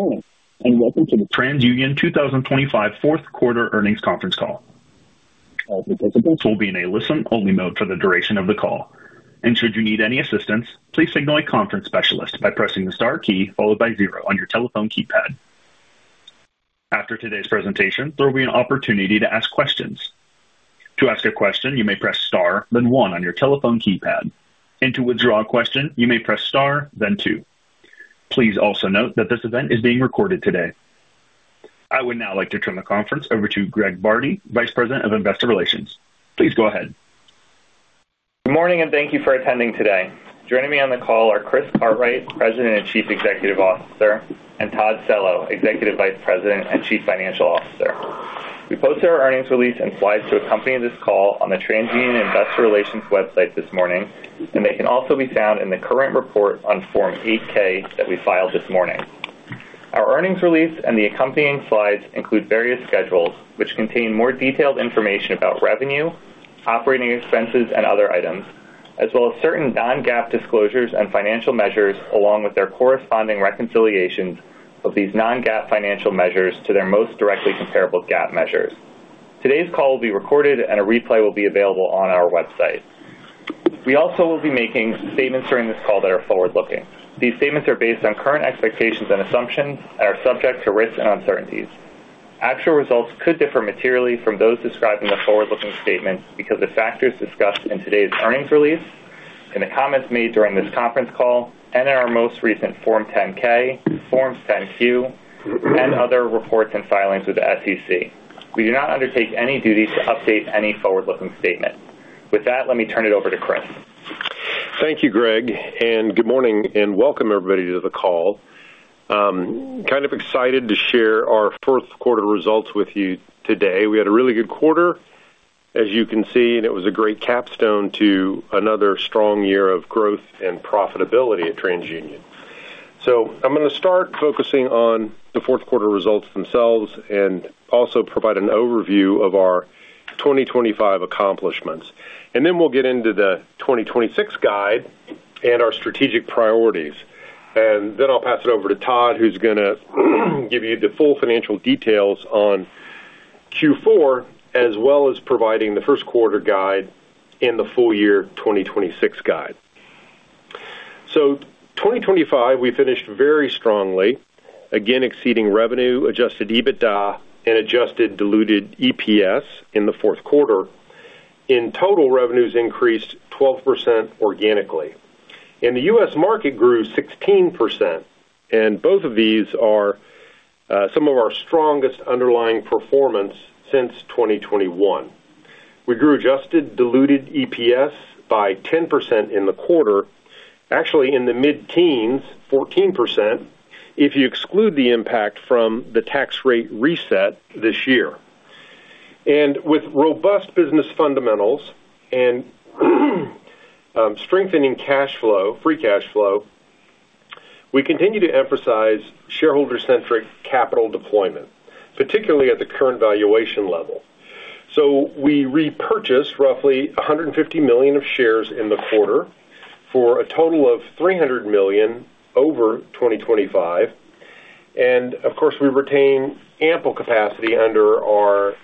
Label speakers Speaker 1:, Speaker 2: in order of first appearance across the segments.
Speaker 1: Good morning, and welcome to the TransUnion 2025 Fourth Quarter Earnings Conference Call. All participants will be in a listen-only mode for the duration of the call, and should you need any assistance, please signal a conference specialist by pressing the star key followed by zero on your telephone keypad. After today's presentation, there will be an opportunity to ask questions. To ask a question, you may press star, then one on your telephone keypad, and to withdraw a question, you may press star, then two. Please also note that this event is being recorded today. I would now like to turn the conference over to Greg Bardi, Vice President of Investor Relations. Please go ahead.
Speaker 2: Good morning, and thank you for attending today. Joining me on the call are Chris Cartwright, President and Chief Executive Officer, and Todd Cello, Executive Vice President and Chief Financial Officer. We posted our earnings release and slides to accompany this call on the TransUnion Investor Relations website this morning, and they can also be found in the current report on Form 8-K that we filed this morning. Our earnings release and the accompanying slides include various schedules, which contain more detailed information about revenue, operating expenses, and other items, as well as certain non-GAAP disclosures and financial measures, along with their corresponding reconciliations of these non-GAAP financial measures to their most directly comparable GAAP measures. Today's call will be recorded, and a replay will be available on our website. We also will be making statements during this call that are forward-looking. These statements are based on current expectations and assumptions and are subject to risks and uncertainties. Actual results could differ materially from those described in the forward-looking statements because of factors discussed in today's earnings release, and the comments made during this conference call and in our most recent Form 10-K, Form 10-Q, and other reports and filings with the SEC. We do not undertake any duty to update any forward-looking statement. With that, let me turn it over to Chris.
Speaker 3: Thank you, Greg, and good morning, and welcome everybody to the call. Kind of excited to share our fourth quarter results with you today. We had a really good quarter, as you can see, and it was a great capstone to another strong year of growth and profitability at TransUnion. So I'm going to start focusing on the fourth quarter results themselves and also provide an overview of our 2025 accomplishments. And then we'll get into the 2026 guide and our strategic priorities. And then I'll pass it over to Todd, who's going to give you the full financial details on Q4, as well as providing the first quarter guide and the full-year 2026 guide. So 2025, we finished very strongly, again, exceeding revenue, adjusted EBITDA, and adjusted diluted EPS in the fourth quarter. In total, revenues increased 12% organically, and the U.S. market grew 16%, and both of these are some of our strongest underlying performance since 2021. We grew adjusted diluted EPS by 10% in the quarter, actually in the mid-teens, 14%, if you exclude the impact from the tax rate reset this year. And with robust business fundamentals and strengthening cash flow, free cash flow, we continue to emphasize shareholder-centric capital deployment, particularly at the current valuation level. So we repurchased roughly $150 million of shares in the quarter for a total of $300 million over 2025 and of course, we retain ample capacity under our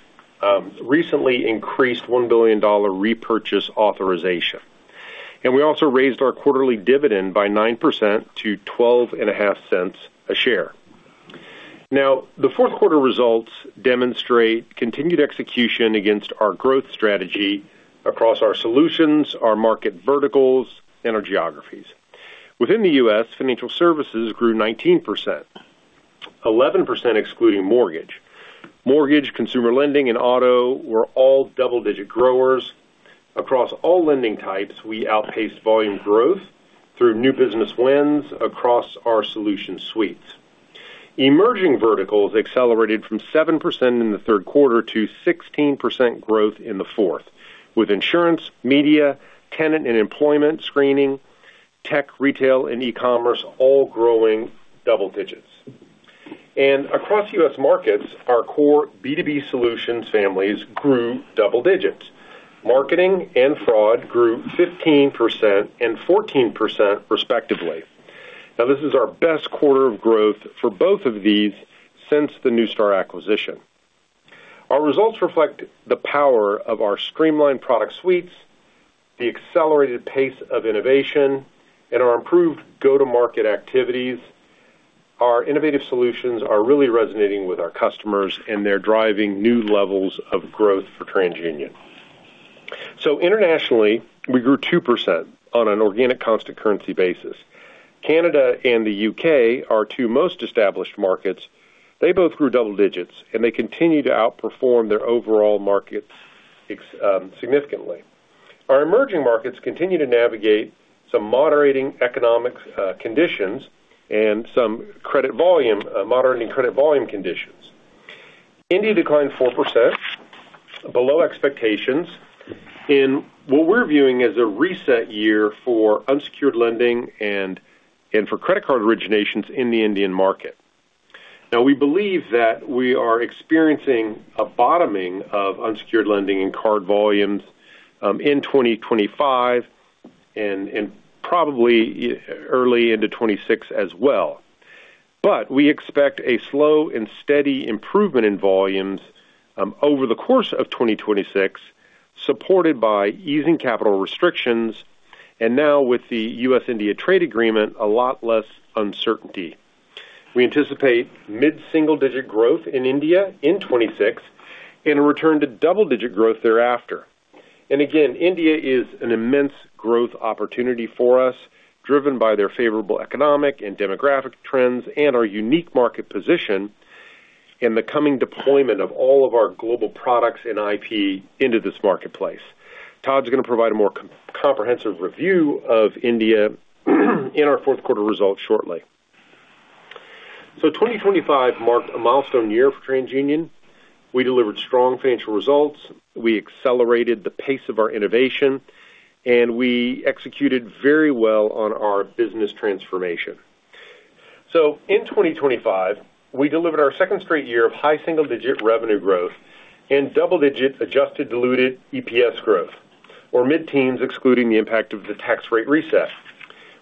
Speaker 3: recently increased $1 billion repurchase authorization. And we also raised our quarterly dividend by 9% to $0.125 a share. Now, the fourth quarter results demonstrate continued execution against our growth strategy across our solutions, our market verticals, and our geographies. Within the U.S., Financial Services grew 19%, 11% excluding mortgage. Mortgage, Consumer Lending, and Auto were all double-digit growers. Across all lending types, we outpaced volume growth through new business wins across our solution suites. Emerging Verticals accelerated from 7% in the third quarter to 16% growth in the fourth, with Insurance, Media, Tenant and Employment Screening, Tech, Retail, and E-commerce all growing double digits. Across U.S. Markets, our core B2B solutions families grew double digits. Marketing and Fraud grew 15% and 14% respectively. Now, this is our best quarter of growth for both of these since the Neustar acquisition. Our results reflect the power of our streamlined product suites, the accelerated pace of innovation, and our improved go-to-market activities. Our innovative solutions are really resonating with our customers, and they're driving new levels of growth for TransUnion. So internationally, we grew 2% on an organic constant currency basis. Canada and the U.K., our two most established markets, they both grew double digits, and they continue to outperform their overall markets significantly. Our emerging markets continue to navigate some moderating economic conditions and some credit volume, moderating credit volume conditions. India declined 4%, below expectations in what we're viewing as a reset year for unsecured lending and for credit card originations in the Indian market. Now, we believe that we are experiencing a bottoming of unsecured lending and card volumes in 2025 and probably early into 2026 as well. But we expect a slow and steady improvement in volumes over the course of 2026, supported by easing capital restrictions, and now with the U.S.-India trade agreement, a lot less uncertainty. We anticipate mid-single-digit growth in India in 2026 and a return to double-digit growth thereafter. And again, India is an immense growth opportunity for us, driven by their favorable economic and demographic trends, and our unique market position, and the coming deployment of all of our global products and IP into this marketplace. Todd's going to provide a more comprehensive review of India in our fourth quarter results shortly. So 2025 marked a milestone year for TransUnion. We delivered strong financial results, we accelerated the pace of our innovation, and we executed very well on our business transformation. So in 2025, we delivered our second straight year of high single-digit revenue growth and double-digit adjusted diluted EPS growth, or mid-teens, excluding the impact of the tax rate reset.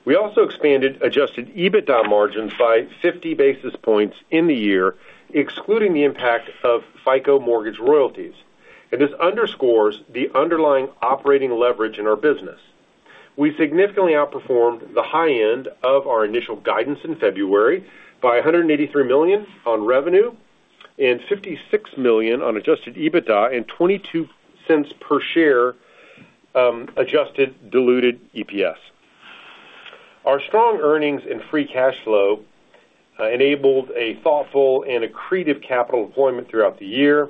Speaker 3: We also expanded adjusted EBITDA margins by 50 basis points in the year, excluding the impact of FICO mortgage royalties. This underscores the underlying operating leverage in our business. We significantly outperformed the high end of our initial guidance in February by $183 million on revenue and $56 million on adjusted EBITDA, and $0.22 per share, adjusted diluted EPS. Our strong earnings and free cash flow enabled a thoughtful and accretive capital deployment throughout the year.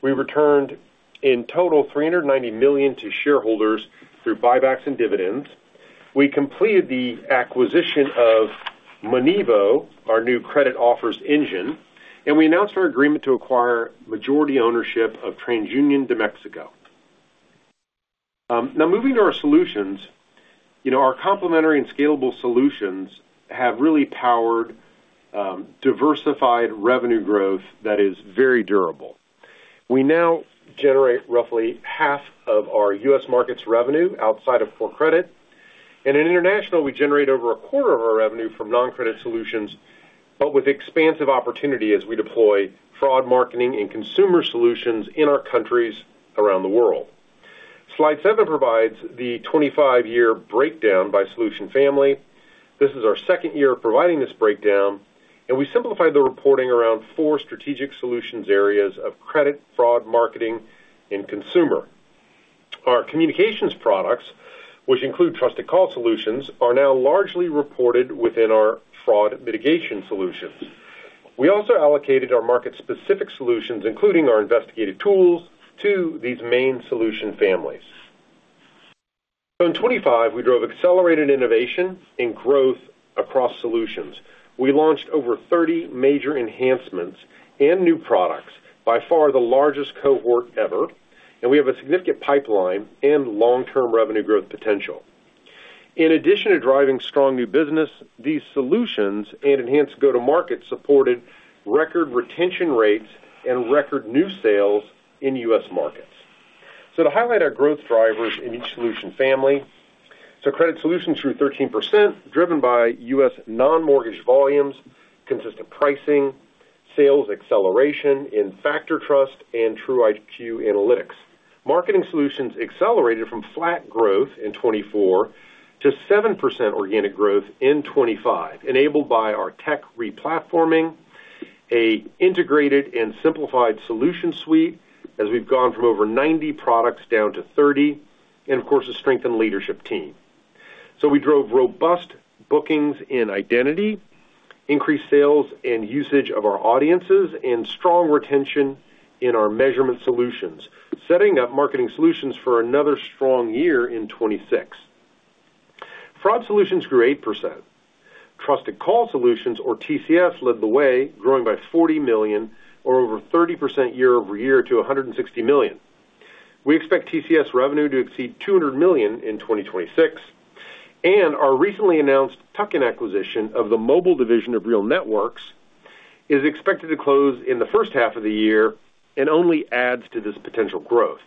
Speaker 3: We returned, in total, $390 million to shareholders through buybacks and dividends. We completed the acquisition of Monevo, our new credit offers engine, and we announced our agreement to acquire majority ownership of TransUnion de México. Now moving to our solutions. You know, our complementary and scalable solutions have really powered diversified revenue growth that is very durable. We now generate roughly half of our U.S. Markets revenue outside of full credit. And in International, we generate over a quarter of our revenue from non-Credit Solutions, but with expansive opportunity as we deploy Fraud, Marketing, and Consumer Solutions in our countries around the world. Slide 7 provides the 25-year breakdown by solution family. This is our second year of providing this breakdown, and we simplified the reporting around four strategic solutions areas of Credit, Fraud, Marketing, and Consumer. Our Communications products, which include Trusted Call Solutions, are now largely reported within our fraud mitigation solutions. We also allocated our market-specific solutions, including our investigative tools, to these main solution families. So in 2025, we drove accelerated innovation and growth across solutions. We launched over 30 major enhancements and new products, by far the largest cohort ever, and we have a significant pipeline and long-term revenue growth potential. In addition to driving strong new business, these solutions and enhanced go-to-market supported record retention rates and record new sales in U.S. Markets. So to highlight our growth drivers in each solution family. So Credit Solutions grew 13%, driven by U.S. non-mortgage volumes, consistent pricing, sales acceleration in FactorTrust and TruIQ analytics. Marketing Solutions accelerated from flat growth in 2024 to 7% organic growth in 2025, enabled by our tech replatforming, a integrated and simplified solution suite as we've gone from over 90 products down to 30, and of course, a strengthened leadership team. So we drove robust bookings in identity, increased sales and usage of our audiences, and strong retention in our measurement solutions, setting up Marketing Solutions for another strong year in 2026. Fraud Solutions grew 8%. Trusted Call Solutions, or TCS, led the way, growing by $40 million, or over 30% year-over-year to $160 million. We expect TCS revenue to exceed $200 million in 2026, and our recently announced tuck-in acquisition of the mobile division of RealNetworks is expected to close in the first half of the year and only adds to this potential growth.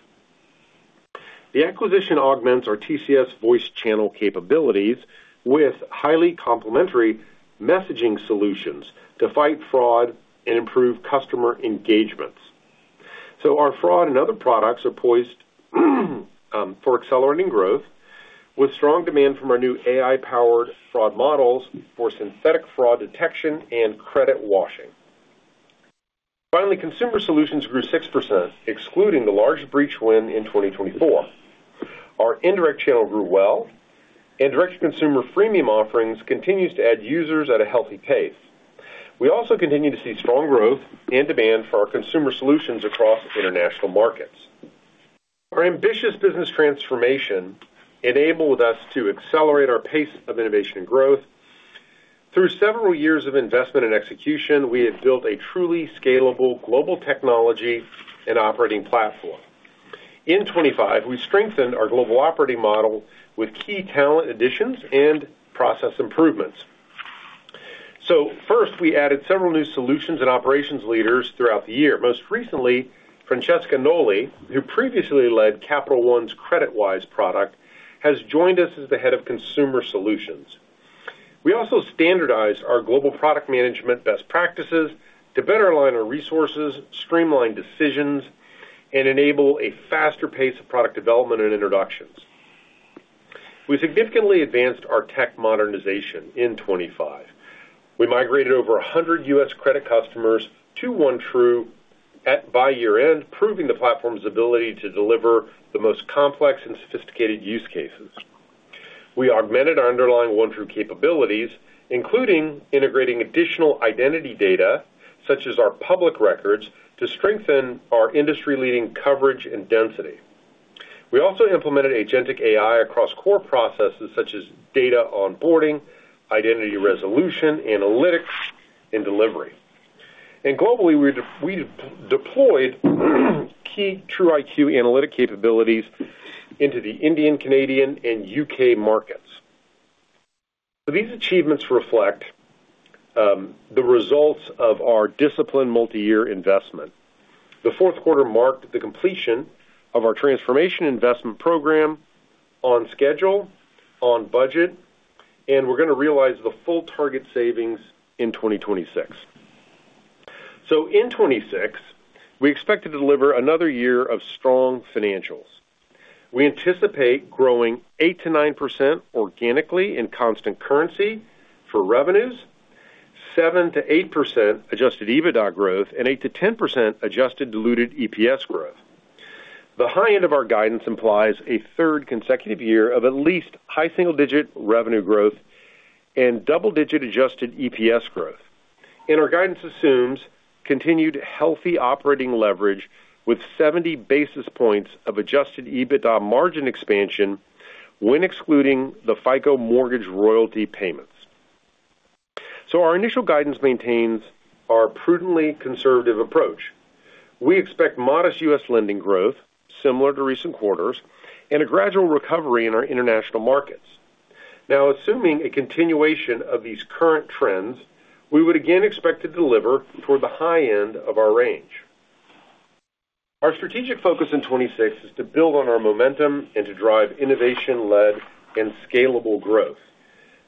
Speaker 3: The acquisition augments our TCS voice channel capabilities with highly complementary messaging solutions to fight fraud and improve customer engagements. So our fraud and other products are poised for accelerating growth, with strong demand from our new AI-powered fraud models for synthetic fraud detection and credit washing. Finally, Consumer Solutions grew 6%, excluding the large breach win in 2024. Our indirect channel grew well, and direct-to-consumer freemium offerings continues to add users at a healthy pace. We also continue to see strong growth and demand for our Consumer Solutions across international markets. Our ambitious business transformation enabled us to accelerate our pace of innovation and growth. Through several years of investment and execution, we have built a truly scalable global technology and operating platform. In 2025, we strengthened our global operating model with key talent additions and process improvements. So first, we added several new solutions and operations leaders throughout the year. Most recently, Francesca Noli, who previously led Capital One's CreditWise product, has joined us as the head of Consumer Solutions. We also standardized our global product management best practices to better align our resources, streamline decisions, and enable a faster pace of product development and introductions. We significantly advanced our tech modernization in 2025. We migrated over 100 U.S. credit customers to OneTru by year-end, proving the platform's ability to deliver the most complex and sophisticated use cases. We augmented our underlying OneTru capabilities, including integrating additional identity data, such as our public records, to strengthen our industry-leading coverage and density. We also implemented agentic AI across core processes such as data onboarding, identity resolution, analytics, and delivery. And globally, we deployed key TruIQ analytic capabilities into the Indian, Canadian, and U.K. markets. So these achievements reflect the results of our disciplined multi-year investment. The fourth quarter marked the completion of our transformation investment program on schedule, on budget, and we're going to realize the full target savings in 2026. In 2026, we expect to deliver another year of strong financials. We anticipate growing 8%-9% organically in constant currency for revenues, 7%-8% adjusted EBITDA growth, and 8%-10% adjusted diluted EPS growth. The high end of our guidance implies a third consecutive year of at least high single-digit revenue growth and double-digit adjusted EPS growth. Our guidance assumes continued healthy operating leverage with 70 basis points of adjusted EBITDA margin expansion when excluding the FICO mortgage royalty payments. Our initial guidance maintains our prudently conservative approach. We expect modest U.S. lending growth, similar to recent quarters, and a gradual recovery in our international markets. Now, assuming a continuation of these current trends, we would again expect to deliver toward the high end of our range. Our strategic focus in 2026 is to build on our momentum and to drive innovation-led and scalable growth.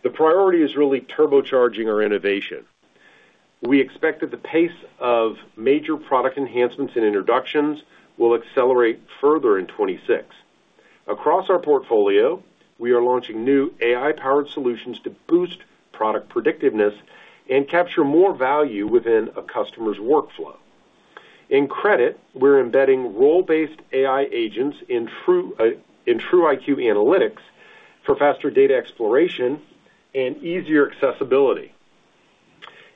Speaker 3: The priority is really turbocharging our innovation. We expect that the pace of major product enhancements and introductions will accelerate further in 2026. Across our portfolio, we are launching new AI-powered solutions to boost product predictiveness and capture more value within a customer's workflow. In credit, we're embedding role-based AI agents in TruIQ analytics for faster data exploration and easier accessibility.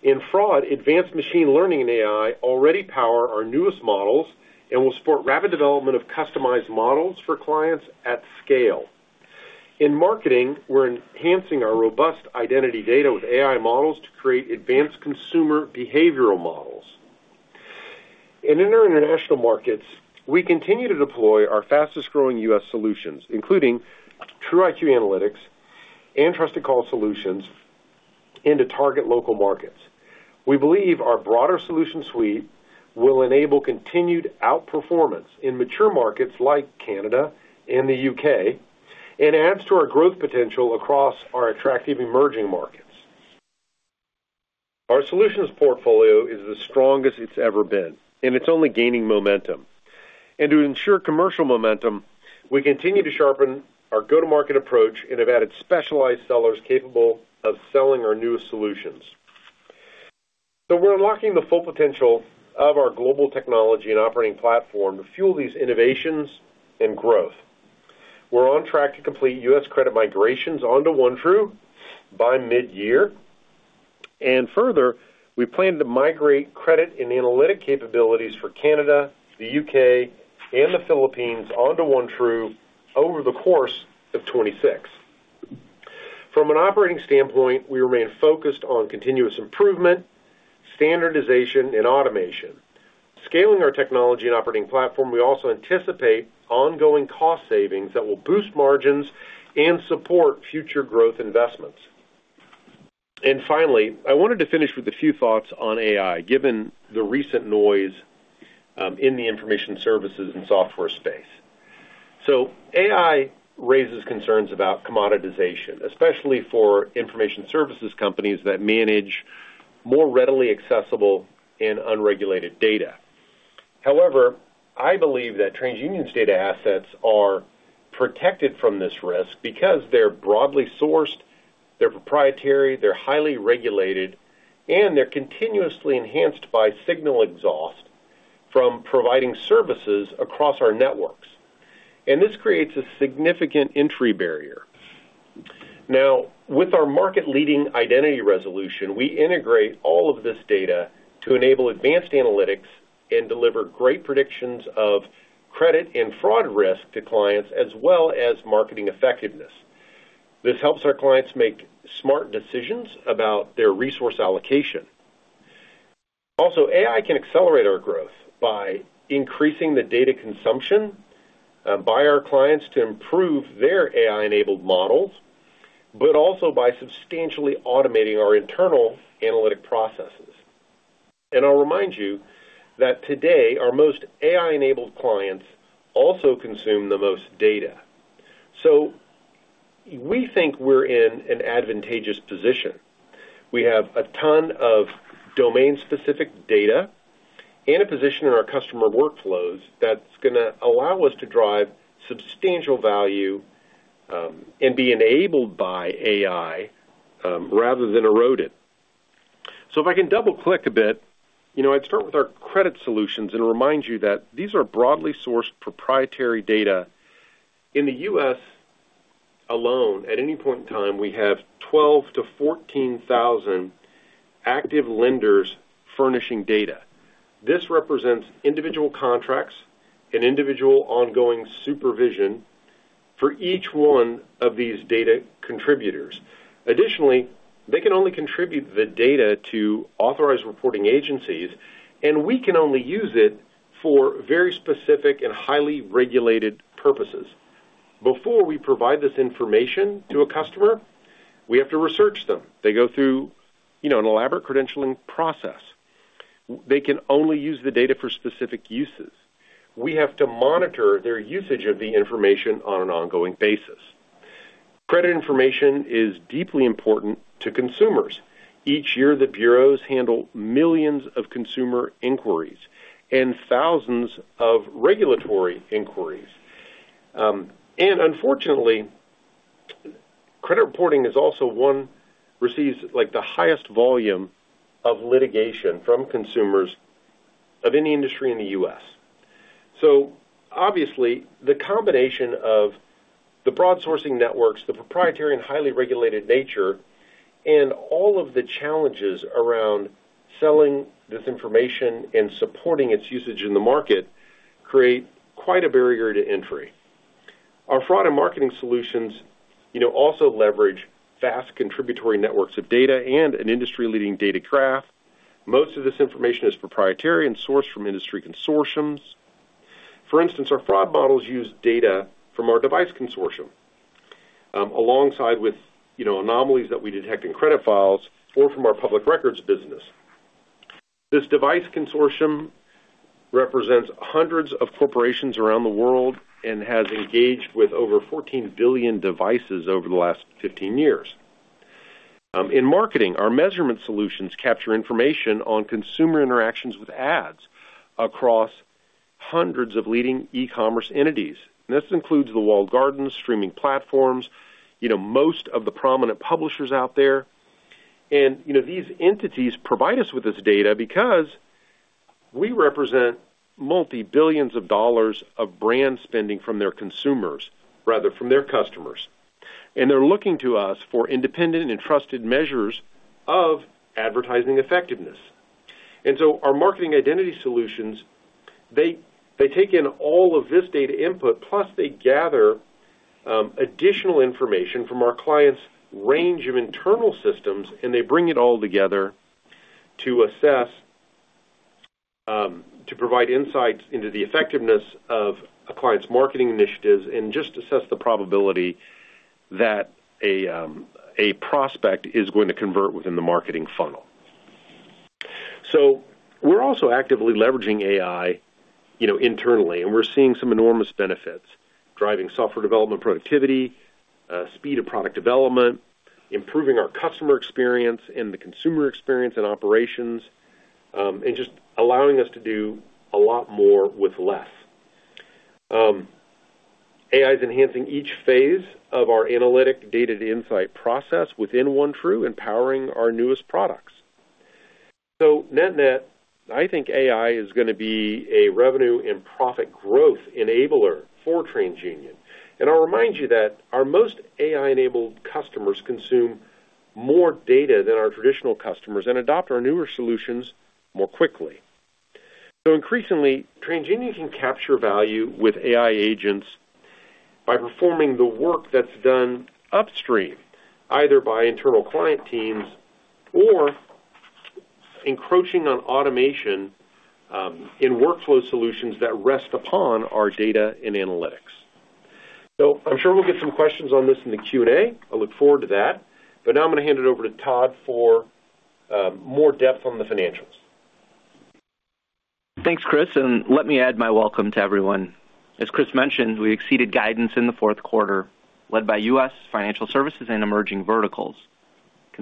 Speaker 3: In fraud, advanced machine learning and AI already power our newest models and will support rapid development of customized models for clients at scale. In marketing, we're enhancing our robust identity data with AI models to create advanced consumer behavioral models. In our international markets, we continue to deploy our fastest-growing U.S. solutions, including TruIQ analytics and Trusted Call Solutions, into target local markets. We believe our broader solution suite will enable continued outperformance in mature markets like Canada and the U.K., and adds to our growth potential across our attractive emerging markets. Our solutions portfolio is the strongest it's ever been, and it's only gaining momentum. To ensure commercial momentum, we continue to sharpen our go-to-market approach and have added specialized sellers capable of selling our newest solutions. We're unlocking the full potential of our global technology and operating platform to fuel these innovations and growth. We're on track to complete U.S. credit migrations onto OneTru by mid-year. Further, we plan to migrate credit and analytic capabilities for Canada, the U.K., and the Philippines onto OneTru over the course of 2026. From an operating standpoint, we remain focused on continuous improvement, standardization, and automation. Scaling our technology and operating platform, we also anticipate ongoing cost savings that will boost margins and support future growth investments. And finally, I wanted to finish with a few thoughts on AI, given the recent noise in the information services and software space. So AI raises concerns about commoditization, especially for information services companies that manage more readily accessible and unregulated data. However, I believe that TransUnion's data assets are protected from this risk because they're broadly sourced, they're proprietary, they're highly regulated, and they're continuously enhanced by signal exhaust from providing services across our networks. And this creates a significant entry barrier. Now, with our market-leading identity resolution, we integrate all of this data to enable advanced analytics and deliver great predictions of credit and fraud risk to clients, as well as marketing effectiveness. This helps our clients make smart decisions about their resource allocation. Also, AI can accelerate our growth by increasing the data consumption by our clients to improve their AI-enabled models, but also by substantially automating our internal analytic processes. And I'll remind you that today, our most AI-enabled clients also consume the most data. So we think we're in an advantageous position. We have a ton of domain-specific data and a position in our customer workflows that's going to allow us to drive substantial value, and be enabled by AI, rather than eroded. So if I can double-click a bit, you know, I'd start with our Credit Solutions and remind you that these are broadly sourced proprietary data. In the U.S. alone, at any point in time, we have 12,000-14,000 active lenders furnishing data. This represents individual contracts and individual ongoing supervision for each one of these data contributors. Additionally, they can only contribute the data to authorized reporting agencies, and we can only use it for very specific and highly regulated purposes. Before we provide this information to a customer, we have to research them. They go through, you know, an elaborate credentialing process. They can only use the data for specific uses. We have to monitor their usage of the information on an ongoing basis. Credit information is deeply important to consumers. Each year, the bureaus handle millions of consumer inquiries and thousands of regulatory inquiries. And unfortunately, credit reporting is also one receives, like, the highest volume of litigation from consumers of any industry in the U.S. So obviously, the combination of the broad sourcing networks, the proprietary and highly regulated nature, and all of the challenges around selling this information and supporting its usage in the market, create quite a barrier to entry. Our Fraud and Marketing Solutions, you know, also leverage vast contributory networks of data and an industry-leading data graph. Most of this information is proprietary and sourced from industry consortiums. For instance, our fraud models use data from our device consortium, alongside with, you know, anomalies that we detect in credit files or from our public records business. This device consortium represents hundreds of corporations around the world and has engaged with over 14 billion devices over the last 15 years. In marketing, our measurement solutions capture information on consumer interactions with ads across hundreds of leading e-commerce entities. This includes the walled gardens, streaming platforms, you know, most of the prominent publishers out there. You know, these entities provide us with this data because we represent multi-billions of dollars of brand spending from their consumers, rather from their customers, and they're looking to us for independent and trusted measures of advertising effectiveness. So our marketing identity solutions, they, they take in all of this data input, plus they gather additional information from our clients' range of internal systems, and they bring it all together to assess, to provide insights into the effectiveness of a client's marketing initiatives and just assess the probability that a a prospect is going to convert within the marketing funnel. So we're also actively leveraging AI, you know, internally, and we're seeing some enormous benefits, driving software development productivity, speed of product development, improving our customer experience and the consumer experience and operations, and just allowing us to do a lot more with less. AI is enhancing each phase of our analytic data-to-insight process within OneTru and powering our newest products. So net-net, I think AI is going to be a revenue and profit growth enabler for TransUnion. And I'll remind you that our most AI-enabled customers consume more data than our traditional customers and adopt our newer solutions more quickly. So increasingly, TransUnion can capture value with AI agents by performing the work that's done upstream, either by internal client teams or encroaching on automation in workflow solutions that rest upon our data and analytics. So I'm sure we'll get some questions on this in the Q&A. I look forward to that. But now I'm going to hand it over to Todd for more depth on the financials.
Speaker 4: Thanks, Chris, and let me add my welcome to everyone. As Chris mentioned, we exceeded guidance in the fourth quarter, led by U.S. Financial Services and Emerging Verticals.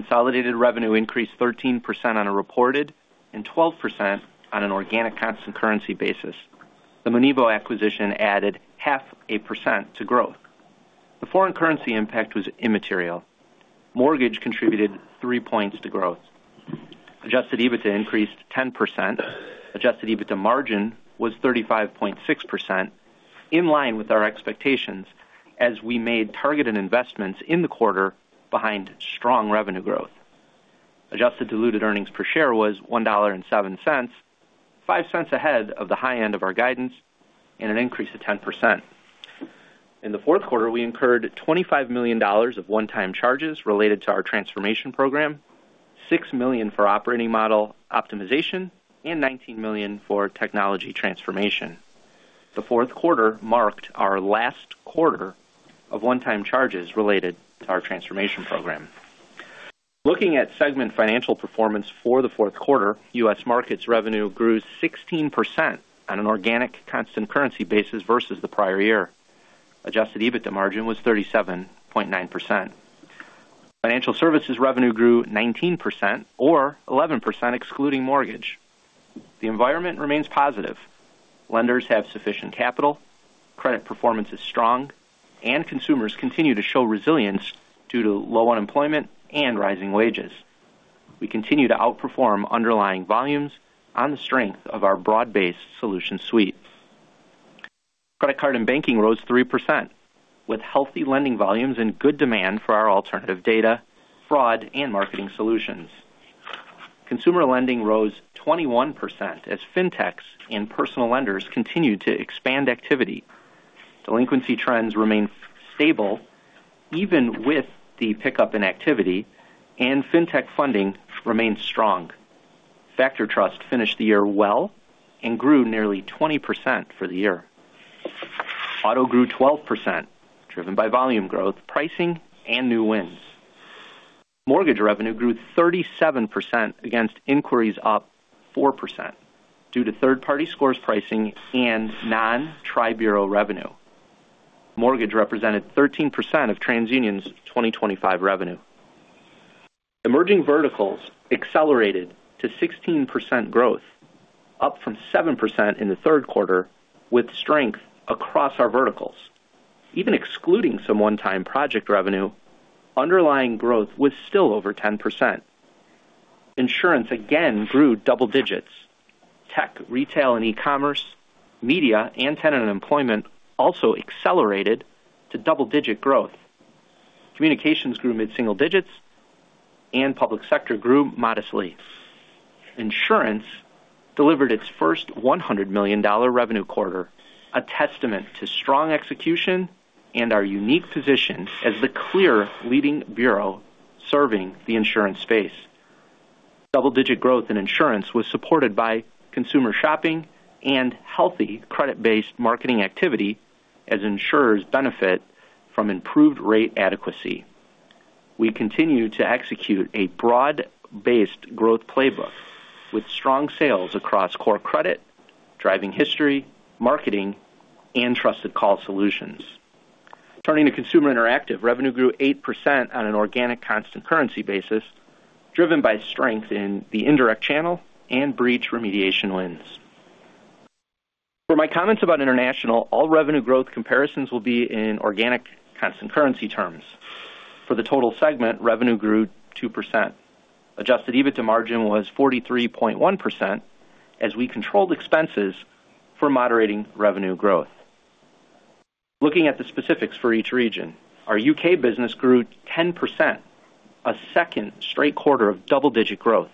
Speaker 4: Consolidated revenue increased 13% on a reported and 12% on an organic constant currency basis. The Monevo acquisition added 0.5% to growth. The foreign currency impact was immaterial. Mortgage contributed 3 points to growth. Adjusted EBITDA increased 10%. Adjusted EBITDA margin was 35.6%, in line with our expectations as we made targeted investments in the quarter behind strong revenue growth. Adjusted diluted earnings per share was $1.07, $0.05 ahead of the high end of our guidance and an increase of 10%. In the fourth quarter, we incurred $25 million of one-time charges related to our transformation program, $6 million for operating model optimization, and $19 million for technology transformation. The fourth quarter marked our last quarter of one-time charges related to our transformation program. Looking at segment financial performance for the fourth quarter, U.S. Markets revenue grew 16% on an organic constant currency basis versus the prior year. Adjusted EBITDA margin was 37.9%. Financial Services revenue grew 19% or 11%, excluding mortgage. The environment remains positive. Lenders have sufficient capital, credit performance is strong, and consumers continue to show resilience due to low unemployment and rising wages. We continue to outperform underlying volumes on the strength of our broad-based solution suite. Credit Card and Banking rose 3%, with healthy lending volumes and good demand for our alternative data, Fraud, and Marketing Solutions. Consumer Lending rose 21% as fintechs and personal lenders continued to expand activity. Delinquency trends remain stable even with the pickup in activity, and fintech funding remains strong. FactorTrust finished the year well and grew nearly 20% for the year. Auto grew 12%, driven by volume growth, pricing, and new wins. Mortgage revenue grew 37% against inquiries up 4% due to third-party scores pricing and non-Tri-Bureau revenue. Mortgage represented 13% of TransUnion's 2025 revenue. Emerging Verticals accelerated to 16% growth, up from 7% in the third quarter, with strength across our verticals. Even excluding some one-time project revenue, underlying growth was still over 10%. Insurance again grew double digits. Tech, retail and e-commerce, media, and tenant and employment also accelerated to double-digit growth. Communications grew mid-single digits and Public Sector grew modestly. Insurance delivered its first $100 million revenue quarter, a testament to strong execution and our unique position as the clear leading bureau serving the insurance space. Double-digit growth in insurance was supported by consumer shopping and healthy credit-based marketing activity as insurers benefit from improved rate adequacy. We continue to execute a broad-based growth playbook with strong sales across Core Credit, Driving History, Marketing, and Trusted Call Solutions. Turning to Consumer Interactive revenue grew 8% on an organic constant currency basis, driven by strength in the indirect channel and breach remediation wins. For my comments about International, all revenue growth comparisons will be in organic constant currency terms. For the total segment, revenue grew 2%. Adjusted EBITDA margin was 43.1% as we controlled expenses for moderating revenue growth. Looking at the specifics for each region, our U.K. business grew 10%, a second straight quarter of double-digit growth.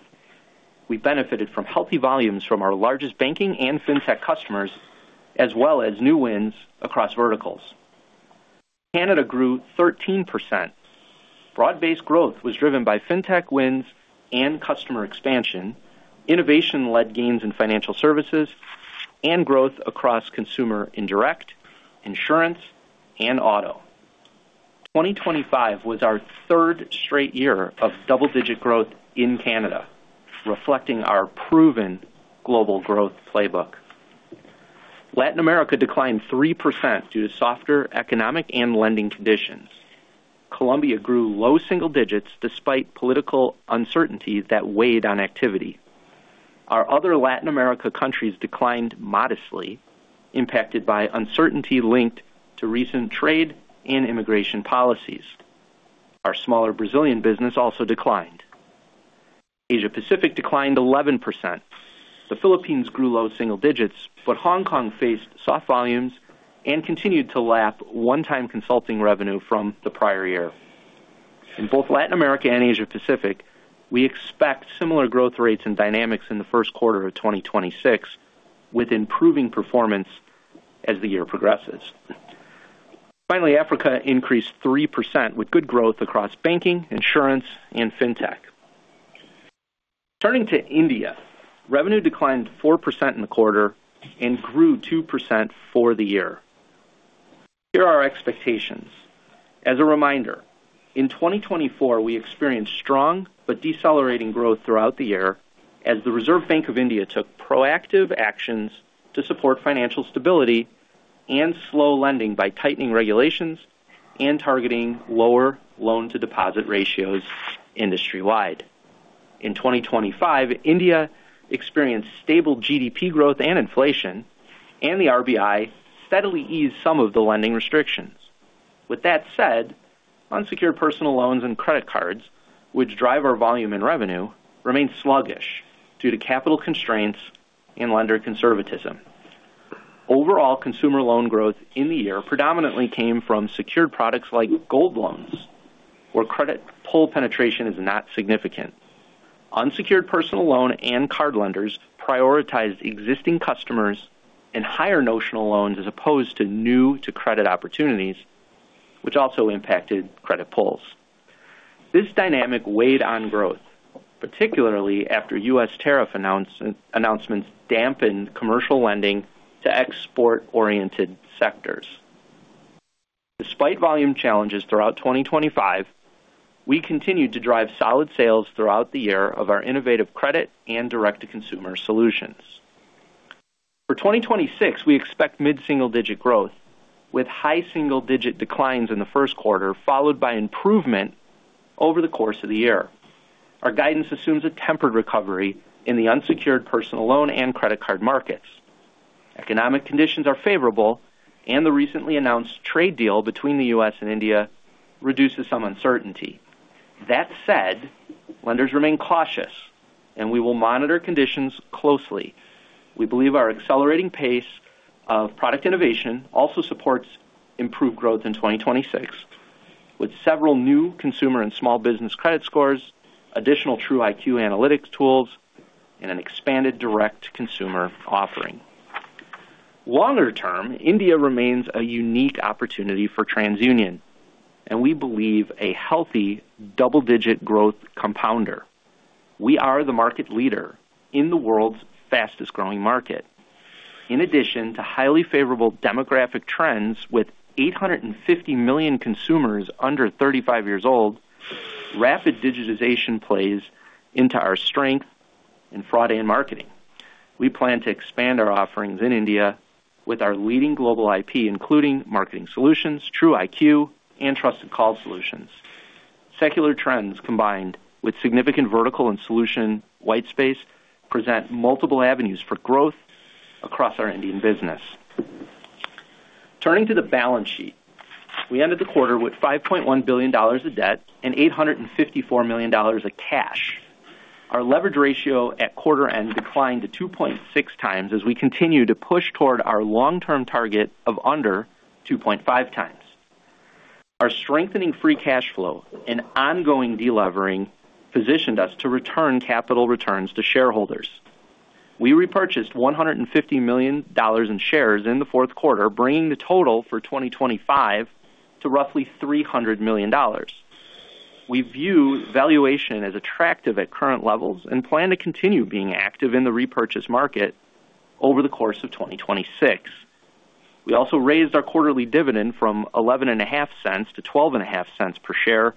Speaker 4: We benefited from healthy volumes from our largest banking and fintech customers, as well as new wins across verticals. Canada grew 13%. Broad-based growth was driven by fintech wins and customer expansion, innovation-led gains in Financial Services, and growth across consumer indirect, insurance, and auto. 2025 was our third straight year of double-digit growth in Canada, reflecting our proven global growth playbook. Latin America declined 3% due to softer economic and lending conditions. Colombia grew low single digits despite political uncertainties that weighed on activity. Our other Latin America countries declined modestly, impacted by uncertainty linked to recent trade and immigration policies. Our smaller Brazilian business also declined. Asia Pacific declined 11%. The Philippines grew low single digits, but Hong Kong faced soft volumes and continued to lap one-time consulting revenue from the prior year. In both Latin America and Asia Pacific, we expect similar growth rates and dynamics in the first quarter of 2026, with improving performance as the year progresses. Finally, Africa increased 3%, with good growth across banking, insurance, and fintech. Turning to India, revenue declined 4% in the quarter and grew 2% for the year. Here are our expectations. As a reminder, in 2024, we experienced strong but decelerating growth throughout the year as the Reserve Bank of India took proactive actions to support financial stability and slow lending by tightening regulations and targeting lower loan-to-deposit ratios industry-wide. In 2025, India experienced stable GDP growth and inflation, and the RBI steadily eased some of the lending restrictions. With that said, unsecured personal loans and credit cards, which drive our volume and revenue, remained sluggish due to capital constraints and lender conservatism. Overall, consumer loan growth in the year predominantly came from secured products like gold loans, where credit pull penetration is not significant. Unsecured personal loan and card lenders prioritized existing customers and higher notional loans as opposed to new-to-credit opportunities, which also impacted credit pulls. This dynamic weighed on growth, particularly after U.S. tariff announce, announcements dampened commercial lending to export-oriented sectors. Despite volume challenges throughout 2025, we continued to drive solid sales throughout the year of our Innovative Credit and Direct-to-Consumer Solutions. For 2026, we expect mid-single-digit growth, with high single-digit declines in the first quarter, followed by improvement over the course of the year. Our guidance assumes a tempered recovery in the unsecured personal loan and credit card markets. Economic conditions are favorable, and the recently announced trade deal between the U.S. and India reduces some uncertainty. That said, lenders remain cautious, and we will monitor conditions closely. We believe our accelerating pace of product innovation also supports improved growth in 2026, with several new consumer and small business credit scores, additional TruIQ analytics tools, and an expanded direct-to-consumer offering. Longer term, India remains a unique opportunity for TransUnion, and we believe a healthy double-digit growth compounder. We are the market leader in the world's fastest-growing market. In addition to highly favorable demographic trends, with 850 million consumers under 35 years old, rapid digitization plays into our strength in fraud and marketing. We plan to expand our offerings in India with our leading global IP, including Marketing Solutions, TruIQ, and Trusted Call Solutions. Secular trends, combined with significant vertical and solution white space, present multiple avenues for growth across our Indian business. Turning to the balance sheet. We ended the quarter with $5.1 billion of debt and $854 million of cash. Our leverage ratio at quarter end declined to 2.6x as we continue to push toward our long-term target of under 2.5x. Our strengthening free cash flow and ongoing delevering positioned us to return capital returns to shareholders. We repurchased $150 million in shares in the fourth quarter, bringing the total for 2025 to roughly $300 million. We view valuation as attractive at current levels and plan to continue being active in the repurchase market over the course of 2026. We also raised our quarterly dividend from $0.115 to $0.125 per share,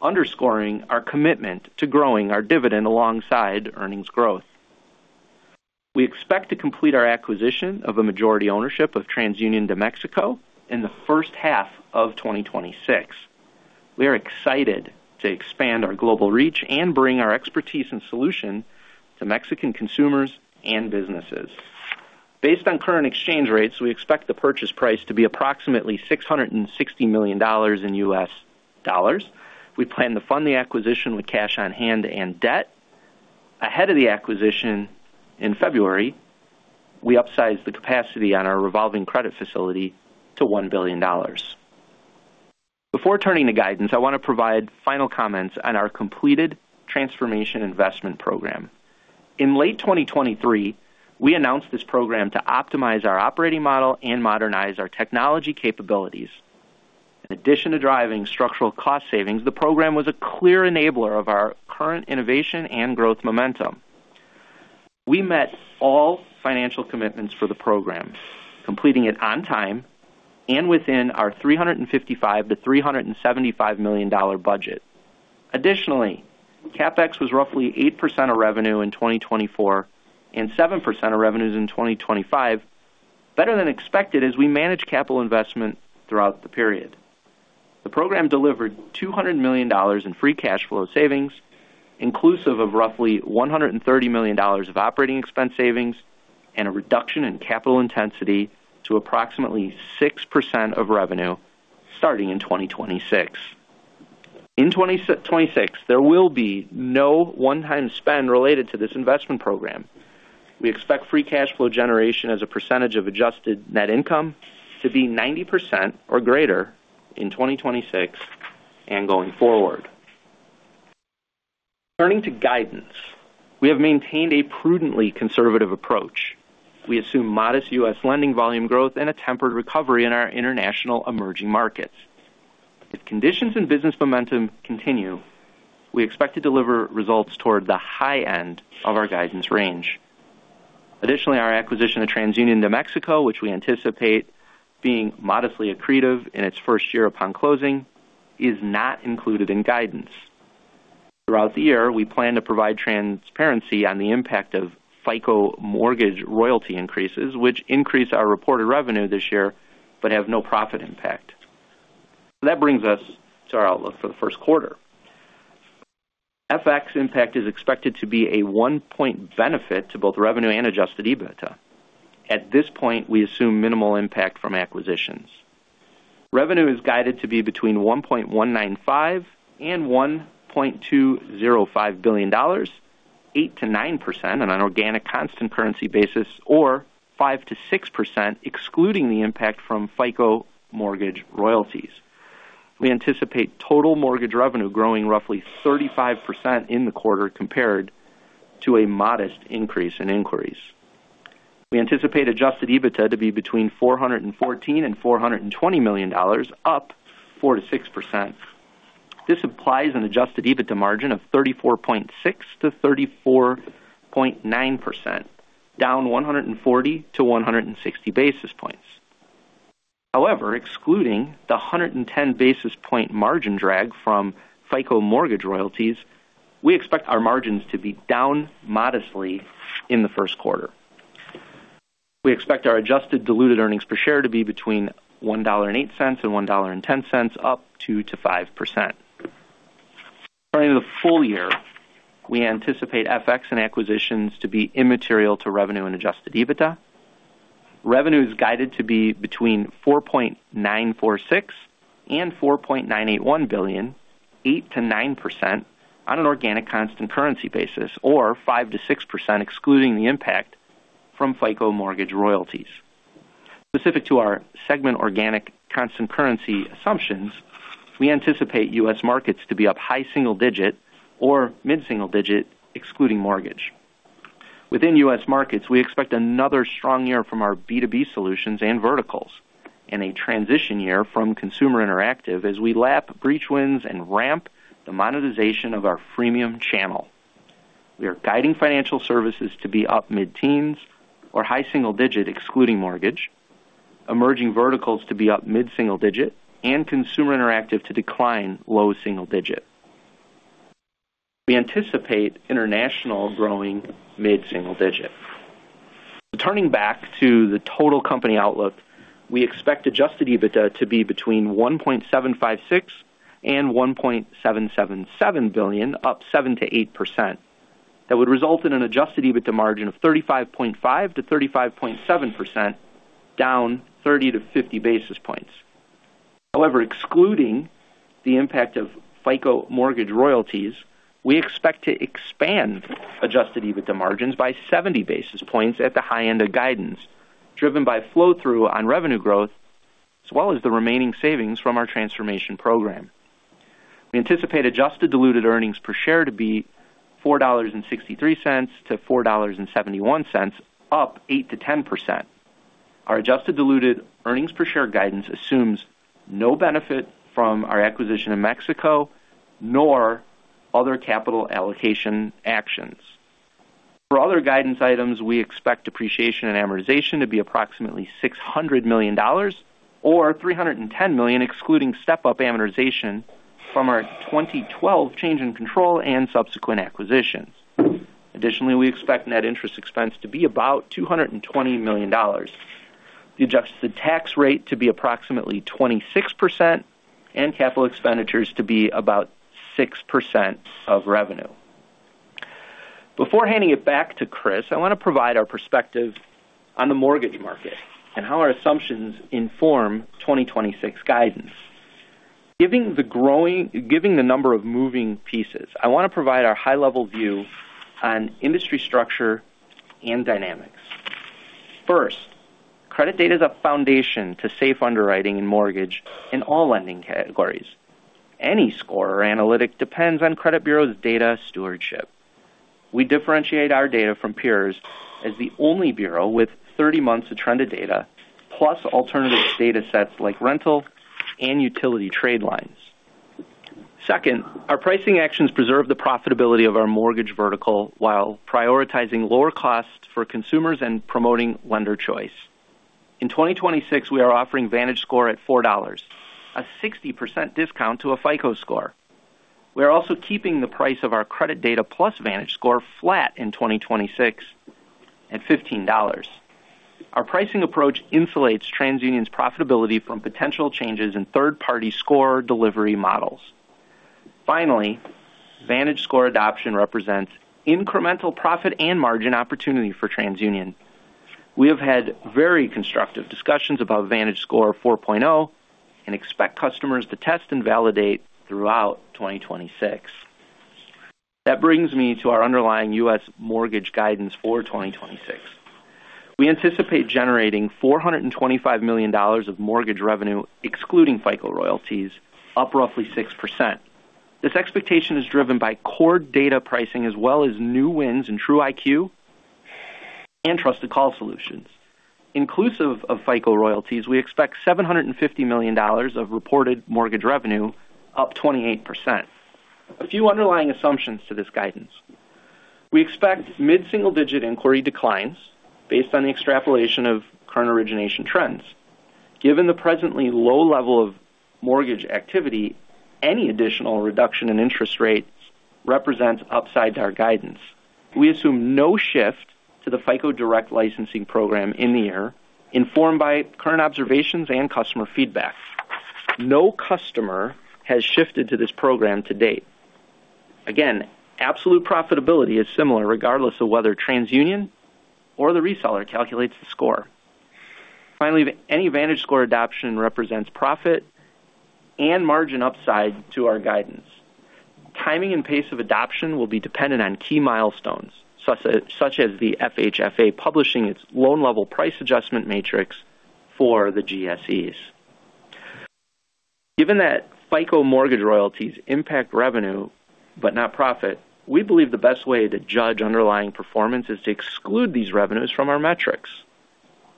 Speaker 4: underscoring our commitment to growing our dividend alongside earnings growth. We expect to complete our acquisition of a majority ownership of TransUnion de México in the first half of 2026. We are excited to expand our global reach and bring our expertise and solution to Mexican consumers and businesses. Based on current exchange rates, we expect the purchase price to be approximately $660 million in U.S. dollars. We plan to fund the acquisition with cash on hand and debt. Ahead of the acquisition, in February, we upsized the capacity on our revolving credit facility to $1 billion. Before turning to guidance, I want to provide final comments on our completed transformation investment program. In late 2023, we announced this program to optimize our operating model and modernize our technology capabilities. In addition to driving structural cost savings, the program was a clear enabler of our current innovation and growth momentum. We met all financial commitments for the program, completing it on time and within our $355 million-$375 million budget. Additionally, CapEx was roughly 8% of revenue in 2024 and 7% of revenues in 2025, better than expected as we managed capital investment throughout the period. The program delivered $200 million in free cash flow savings, inclusive of roughly $130 million of operating expense savings, and a reduction in capital intensity to approximately 6% of revenue starting in 2026. In 2026, there will be no one-time spend related to this investment program. We expect free cash flow generation as a percentage of adjusted net income to be 90% or greater in 2026 and going forward. Turning to guidance. We have maintained a prudently conservative approach. We assume modest U.S. lending volume growth and a tempered recovery in our international emerging markets. If conditions and business momentum continue, we expect to deliver results toward the high end of our guidance range. Additionally, our acquisition of TransUnion de México, which we anticipate being modestly accretive in its first year upon closing, is not included in guidance. Throughout the year, we plan to provide transparency on the impact of FICO mortgage royalty increases, which increase our reported revenue this year, but have no profit impact. That brings us to our outlook for the first quarter. FX impact is expected to be a 1-point benefit to both revenue and adjusted EBITDA. At this point, we assume minimal impact from acquisitions. Revenue is guided to be between $1.195 billion and $1.205 billion, 8%-9% on an organic constant currency basis, or 5%-6%, excluding the impact from FICO mortgage royalties. We anticipate total mortgage revenue growing roughly 35% in the quarter compared to a modest increase in inquiries. We anticipate adjusted EBITDA to be between $414 million and $420 million, up 4%-6%. This implies an Adjusted EBITDA margin of 34.6%-34.9%, down 140-160 basis points. However, excluding the 110 basis point margin drag from FICO mortgage royalties, we expect our margins to be down modestly in the first quarter. We expect our adjusted diluted earnings per share to be between $1.08 and $1.10, up 2%-5%. During the full year, we anticipate FX and acquisitions to be immaterial to revenue and adjusted EBITDA. Revenue is guided to be between $4.946 billion and $4.981 billion, 8%-9% on an organic constant currency basis, or 5%-6%, excluding the impact from FICO mortgage royalties. Specific to our segment organic constant-currency assumptions, we anticipate U.S. Markets to be up high single-digit or mid-single-digit, excluding mortgage. Within U.S. Markets, we expect another strong year from our B2B solutions and verticals, and a transition year from Consumer Interactive as we lap breach wins and ramp the monetization of our freemium channel. We are guiding Financial Services to be up mid-teens or high single-digit, excluding mortgage, Emerging Verticals to be up mid-single-digit and Consumer Interactive to decline low single-digit. We anticipate International growing mid-single-digit. Turning back to the total company outlook, we expect adjusted EBITDA to be between $1.756 billion and $1.777 billion, up 7%-8%. That would result in an adjusted EBITDA margin of 35.5%-35.7%, down 30-50 basis points. However, excluding the impact of FICO mortgage royalties, we expect to expand adjusted EBITDA margins by 70 basis points at the high end of guidance, driven by flow-through on revenue growth, as well as the remaining savings from our transformation program. We anticipate adjusted diluted earnings per share to be $4.63-$4.71, up 8%-10%. Our adjusted diluted earnings per share guidance assumes no benefit from our acquisition in Mexico, nor other capital allocation actions. For other guidance items, we expect depreciation and amortization to be approximately $600 million, or $310 million, excluding step-up amortization from our 2012 change in control and subsequent acquisitions. Additionally, we expect net interest expense to be about $220 million, the adjusted tax rate to be approximately 26%, and capital expenditures to be about 6% of revenue. Before handing it back to Chris, I want to provide our perspective on the mortgage market and how our assumptions inform 2026 guidance. Giving the number of moving pieces, I want to provide our high-level view on industry structure and dynamics. First, credit data is a foundation to safe underwriting and mortgage in all lending categories. Any score or analytic depends on credit bureau's data stewardship. We differentiate our data from peers as the only bureau with 30 months of trended data, plus alternative data sets like rental and utility trade lines. Second, our pricing actions preserve the profitability of our mortgage vertical while prioritizing lower costs for consumers and promoting lender choice. In 2026, we are offering VantageScore at $4, a 60% discount to a FICO score. We are also keeping the price of our credit data plus VantageScore flat in 2026 at $15. Our pricing approach insulates TransUnion's profitability from potential changes in third-party score delivery models. Finally, VantageScore adoption represents incremental profit and margin opportunity for TransUnion. We have had very constructive discussions about VantageScore 4.0 and expect customers to test and validate throughout 2026. That brings me to our underlying U.S. mortgage guidance for 2026. We anticipate generating $425 million of mortgage revenue, excluding FICO royalties, up roughly 6%. This expectation is driven by core data pricing, as well as new wins in TruIQ and TrustedCall solutions. Inclusive of FICO royalties, we expect $750 million of reported mortgage revenue, up 28%. A few underlying assumptions to this guidance: We expect mid-single digit inquiry declines based on the extrapolation of current origination trends. Given the presently low level of mortgage activity, any additional reduction in interest rates represents upside to our guidance. We assume no shift to the FICO direct licensing program in the year, informed by current observations and customer feedback. No customer has shifted to this program to date. Again, absolute profitability is similar, regardless of whether TransUnion or the reseller calculates the score. Finally, any VantageScore adoption represents profit and margin upside to our guidance. Timing and pace of adoption will be dependent on key milestones, such as the FHFA publishing its loan-level price adjustment matrix for the GSEs. Given that FICO mortgage royalties impact revenue but not profit, we believe the best way to judge underlying performance is to exclude these revenues from our metrics.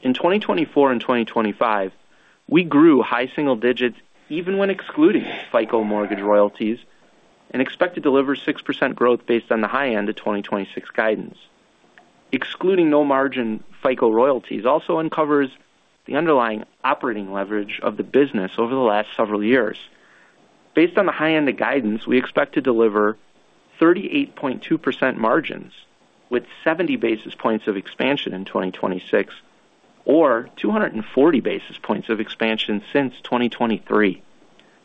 Speaker 4: In 2024 and 2025, we grew high single digits, even when excluding FICO mortgage royalties, and expect to deliver 6% growth based on the high end of 2026 guidance. Excluding no-margin FICO royalties also uncovers the underlying operating leverage of the business over the last several years. Based on the high end of guidance, we expect to deliver 38.2% margins, with 70 basis points of expansion in 2026, or 240 basis points of expansion since 2023.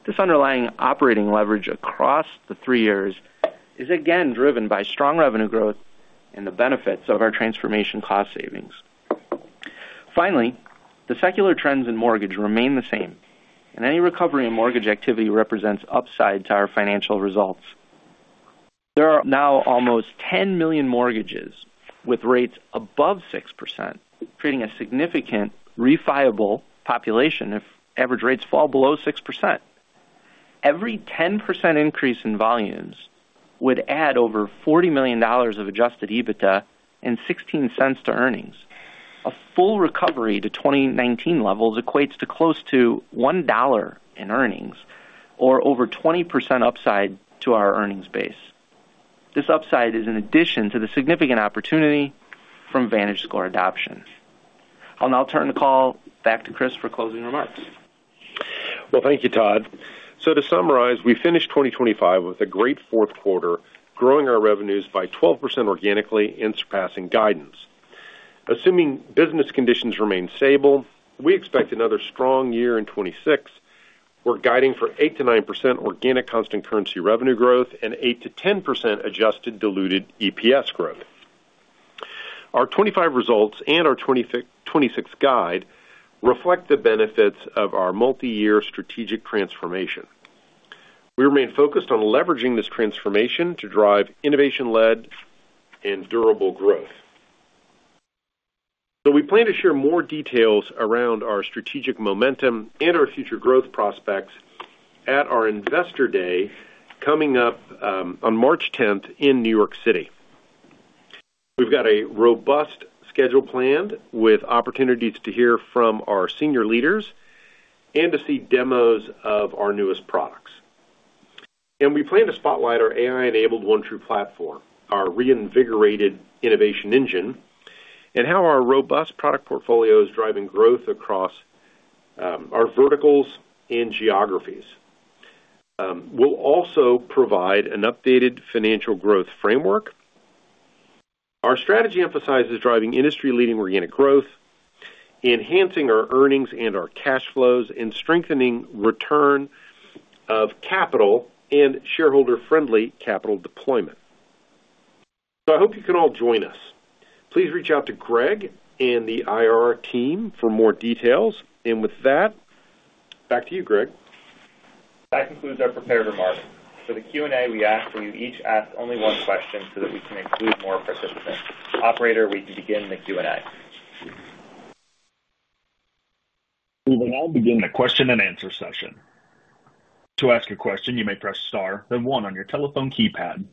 Speaker 4: This underlying operating leverage across the three years is again driven by strong revenue growth and the benefits of our transformation cost savings. Finally, the secular trends in mortgage remain the same, and any recovery in mortgage activity represents upside to our financial results. There are now almost 10 million mortgages with rates above 6%, creating a significant refiable population if average rates fall below 6%. Every 10% increase in volumes would add over $40 million of adjusted EBITDA and $0.16 to earnings. A full recovery to 2019 levels equates to close to $1 in earnings or over 20% upside to our earnings base. This upside is in addition to the significant opportunity from VantageScore adoptions. I'll now turn the call back to Chris for closing remarks.
Speaker 3: Well, thank you, Todd. So to summarize, we finished 2025 with a great fourth quarter, growing our revenues by 12% organically and surpassing guidance. Assuming business conditions remain stable, we expect another strong year in 2026. We're guiding for 8%-9% organic constant currency revenue growth and 8%-10% adjusted diluted EPS growth. Our 2025 results and our 2026 guide reflect the benefits of our multiyear strategic transformation. We remain focused on leveraging this transformation to drive innovation-led and durable growth. So we plan to share more details around our strategic momentum and our future growth prospects at our Investor Day, coming up, on March 10 in New York City. We've got a robust schedule planned, with opportunities to hear from our senior leaders and to see demos of our newest products. And we plan to spotlight our AI-enabled OneTru platform, our reinvigorated innovation engine, and how our robust product portfolio is driving growth across our verticals and geographies. We'll also provide an updated financial growth framework. Our strategy emphasizes driving industry-leading organic growth, enhancing our earnings and our cash flows, and strengthening return of capital and shareholder-friendly capital deployment. So I hope you can all join us. Please reach out to Greg and the IR team for more details. And with that, back to you, Greg.
Speaker 2: That concludes our prepared remarks. For the Q&A, we ask that you each ask only one question so that we can include more participants. Operator, we can begin the Q&A.
Speaker 1: We will now begin the question-and-answer session. To ask a question, you may press star, then one on your telephone keypad.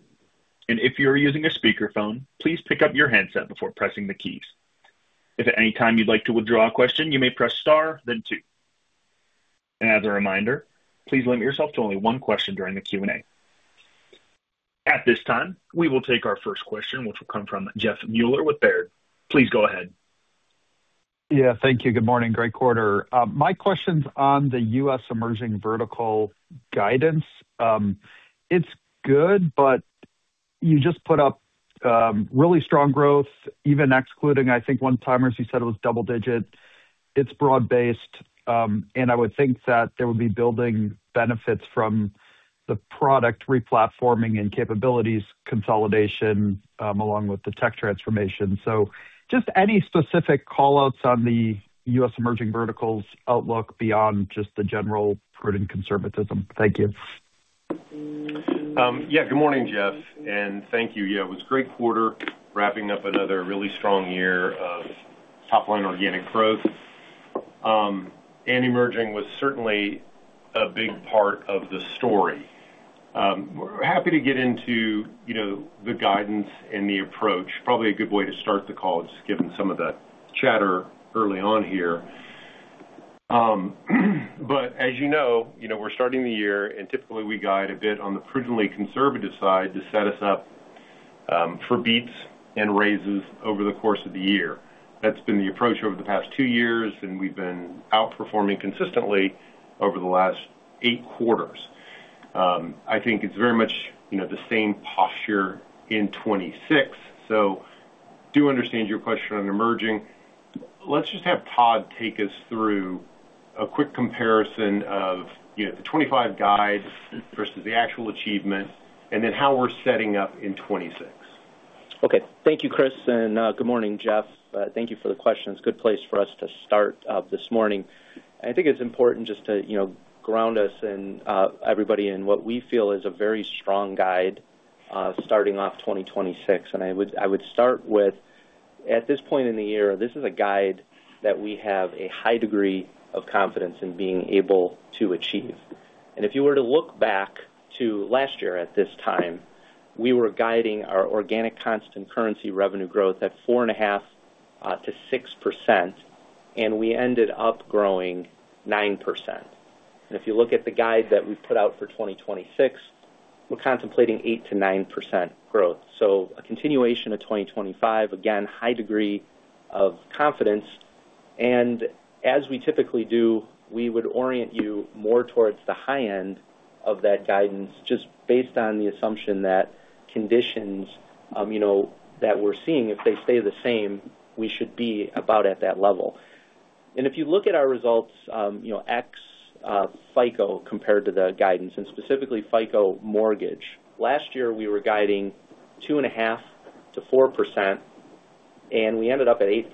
Speaker 1: If you are using a speakerphone, please pick up your handset before pressing the keys. If at any time you'd like to withdraw a question, you may press star, then two. As a reminder, please limit yourself to only one question during the Q&A. At this time, we will take our first question, which will come from Jeff Meuler with Baird. Please go ahead.
Speaker 5: Yeah, thank you. Good morning. Great quarter. My question's on the U.S. emerging vertical guidance. It's good, but you just put up, really strong growth, even excluding, I think, one-timers, you said it was double-digit. It's broad-based, and I would think that there would be building benefits from the product replatforming and capabilities consolidation, along with the tech transformation. So just any specific call-outs on the U.S. Emerging Verticals outlook beyond just the general prudent conservatism? Thank you.
Speaker 3: Yeah, good morning, Jeff, and thank you. Yeah, it was a great quarter, wrapping up another really strong year of top line organic growth. And emerging was certainly a big part of the story. We're happy to get into, you know, the guidance and the approach. Probably a good way to start the call, just given some of the chatter early on here. But as you know, you know, we're starting the year, and typically we guide a bit on the prudently conservative side to set us up, for beats and raises over the course of the year. That's been the approach over the past two years, and we've been outperforming consistently over the last eight quarters. I think it's very much, you know, the same posture in 2026. So I do understand your question on emerging. Let's just have Todd take us through a quick comparison of, you know, the 2025 guides versus the actual achievement and then how we're setting up in 2026.
Speaker 4: Okay. Thank you, Chris, and good morning, Jeff. Thank you for the questions. Good place for us to start this morning. I think it's important just to, you know, ground us and everybody in what we feel is a very strong guide starting off 2026. And I would start with, at this point in the year, this is a guide that we have a high degree of confidence in being able to achieve. And if you were to look back to last year at this time, we were guiding our organic constant currency revenue growth at 4.5%-6%, and we ended up growing 9%. And if you look at the guide that we've put out for 2026, we're contemplating 8%-9% growth. So a continuation of 2025, again, high degree of confidence, and as we typically do, we would orient you more towards the high end of that guidance, just based on the assumption that conditions, you know, that we're seeing, if they stay the same, we should be about at that level. And if you look at our results, you know, ex, FICO, compared to the guidance, and specifically FICO mortgage, last year, we were guiding 2.5%-4%, and we ended up at 8%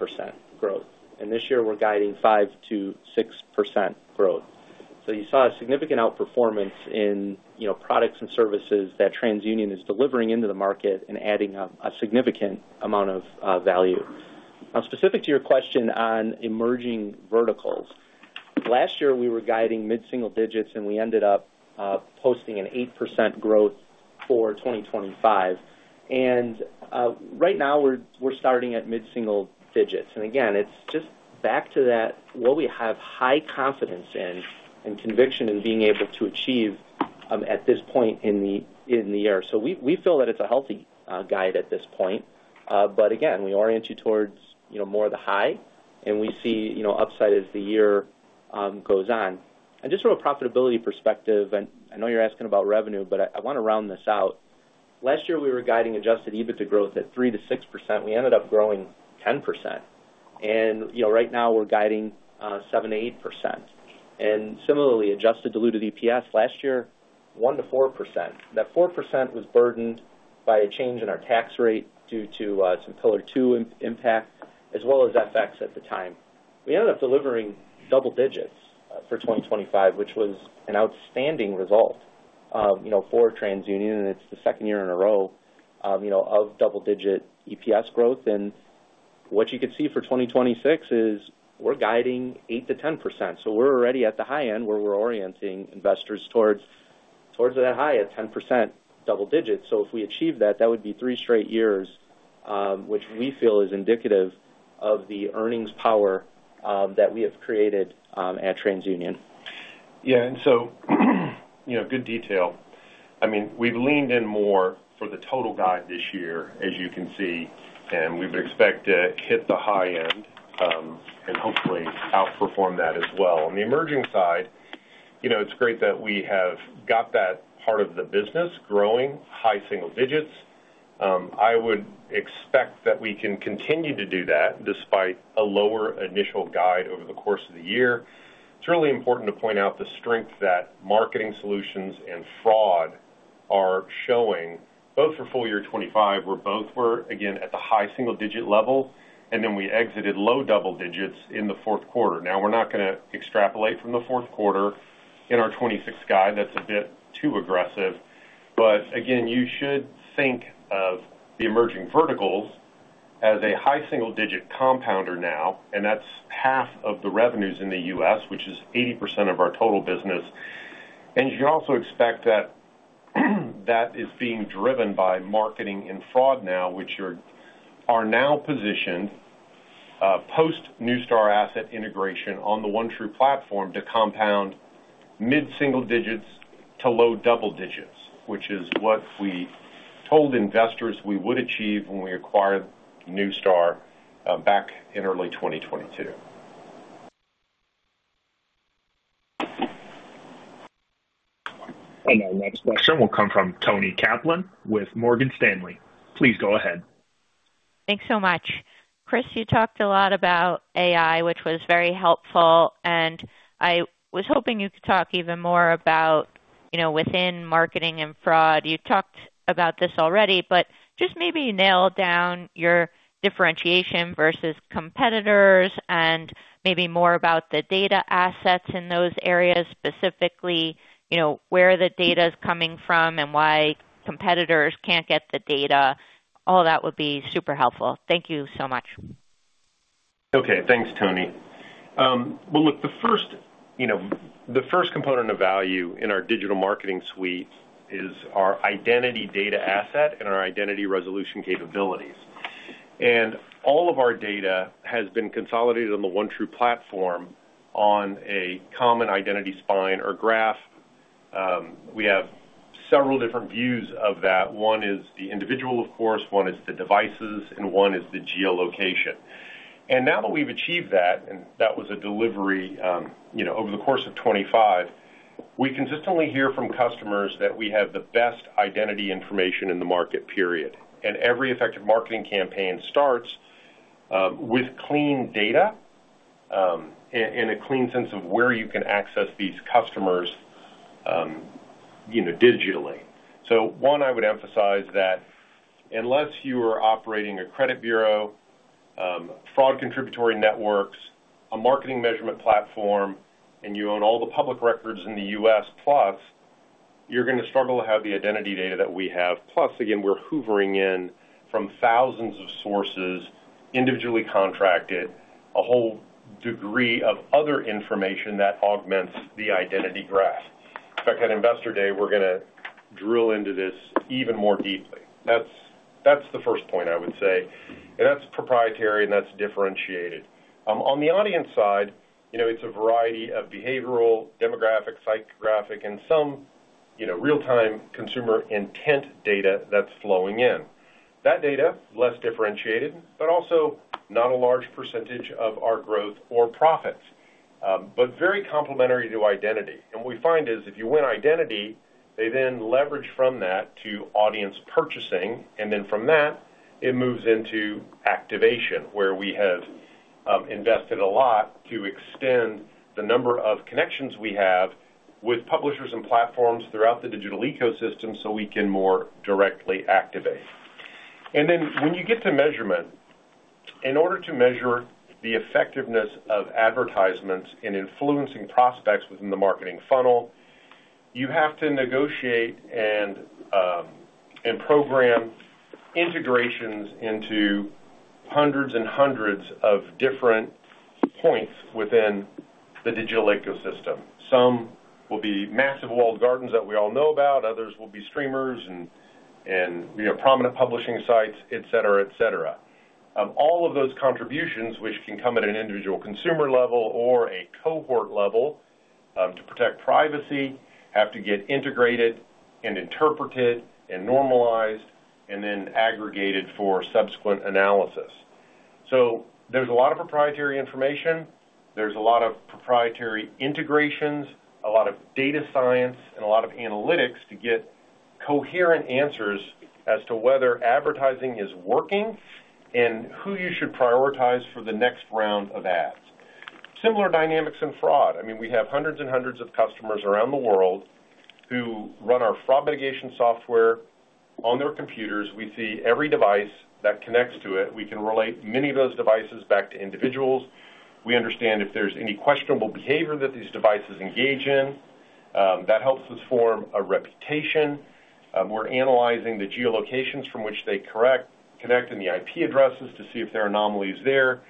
Speaker 4: growth. And this year we're guiding 5%-6% growth. So you saw a significant outperformance in, you know, products and services that TransUnion is delivering into the market and adding a significant amount of, value. Now, specific to your question on Emerging Verticals, last year, we were guiding mid-single digits, and we ended up posting an 8% growth for 2025. And right now, we're starting at mid-single digits. And again, it's just back to that, what we have high confidence in and conviction in being able to achieve at this point in the year. So we feel that it's a healthy guide at this point. But again, we orient you towards, you know, more of the high, and we see, you know, upside as the year goes on. And just from a profitability perspective, and I know you're asking about revenue, but I want to round this out. Last year, we were guiding adjusted EBITDA growth at 3%-6%. We ended up growing 10%. You know, right now we're guiding 7%-8%. And similarly, adjusted diluted EPS last year, 1%-4%. That four percent was burdened by a change in our tax rate due to some Pillar Two impact, as well as FX at the time. We ended up delivering double digits for 2025, which was an outstanding result, you know, for TransUnion, and it's the second year in a row of, you know, of double-digit EPS growth. And what you can see for 2026 is we're guiding 8%-10%. So we're already at the high end, where we're orienting investors towards, towards that high at 10% double digits. So if we achieve that, that would be three straight years, which we feel is indicative of the earnings power that we have created at TransUnion.
Speaker 3: Yeah, and so, you know, good detail. I mean, we've leaned in more for the total guide this year, as you can see, and we would expect to hit the high end, and hopefully outperform that as well. On the emerging side, you know, it's great that we have got that part of the business growing high single digits. I would expect that we can continue to do that despite a lower initial guide over the course of the year. It's really important to point out the strength that Marketing Solutions and Fraud are showing, both for full year 2025, where both were, again, at the high single digit level, and then we exited low double digits in the fourth quarter. Now, we're not going to extrapolate from the fourth quarter in our 2026 guide. That's a bit too aggressive. But again, you should think of the Emerging Verticals as a high single-digit compounder now, and that's half of the revenues in the U.S., which is 80% of our total business. And you should also expect that that is being driven by Marketing and Fraud now, which are now positioned post Neustar asset integration on the OneTru platform to compound mid-single digits to low double digits, which is what we told investors we would achieve when we acquired Neustar back in early 2022.
Speaker 1: Our next question will come from Toni Kaplan with Morgan Stanley. Please go ahead.
Speaker 6: Thanks so much. Chris, you talked a lot about AI, which was very helpful, and I was hoping you could talk even more about, you know, within Marketing and Fraud. You talked about this already, but just maybe nail down your differentiation versus competitors and maybe more about the data assets in those areas, specifically, you know, where the data is coming from and why competitors can't get the data. All that would be super helpful. Thank you so much.
Speaker 3: Okay. Thanks, Toni. Well, look, the first, you know, the first component of value in our digital marketing suite is our identity data asset and our identity resolution capabilities. And all of our data has been consolidated on the OneTru platform on a common identity spine or graph. We have several different views of that. One is the individual, of course, one is the devices, and one is the geolocation. And now that we've achieved that, and that was a delivery, you know, over the course of 2025, we consistently hear from customers that we have the best identity information in the market, period. And every effective marketing campaign starts with clean data, and, and a clean sense of where you can access these customers, you know, digitally. So one, I would emphasize that unless you are operating a credit bureau, fraud contributory networks, a marketing measurement platform, and you own all the public records in the U.S., plus, you're gonna struggle to have the identity data that we have. Plus, again, we're hoovering in from thousands of sources, individually contracted, a whole degree of other information that augments the identity graph. In fact, at Investor Day, we're gonna drill into this even more deeply. That's, that's the first point I would say, and that's proprietary, and that's differentiated. On the audience side, you know, it's a variety of behavioral, demographic, psychographic, and some, you know, real-time consumer intent data that's flowing in. That data, less differentiated, but also not a large percentage of our growth or profits, but very complementary to identity. We find is, if you win identity, they then leverage from that to audience purchasing, and then from that, it moves into activation, where we have invested a lot to extend the number of connections we have with publishers and platforms throughout the digital ecosystem, so we can more directly activate. And then when you get to measurement, in order to measure the effectiveness of advertisements in influencing prospects within the marketing funnel, you have to negotiate and program integrations into hundreds and hundreds of different points within the digital ecosystem. Some will be massive walled gardens that we all know about, others will be streamers and you know, prominent publishing sites, et cetera, et cetera. All of those contributions, which can come at an individual consumer level or a cohort level, to protect privacy, have to get integrated, and interpreted, and normalized, and then aggregated for subsequent analysis. So there's a lot of proprietary information, there's a lot of proprietary integrations, a lot of data science, and a lot of analytics to get coherent answers as to whether advertising is working and who you should prioritize for the next round of ads. Similar dynamics in fraud. I mean, we have hundreds and hundreds of customers around the world who run our fraud mitigation software on their computers. We see every device that connects to it. We can relate many of those devices back to individuals. We understand if there's any questionable behavior that these devices engage in, that helps us form a reputation. We're analyzing the geolocations from which they connect, and the IP addresses to see if there are anomalies there.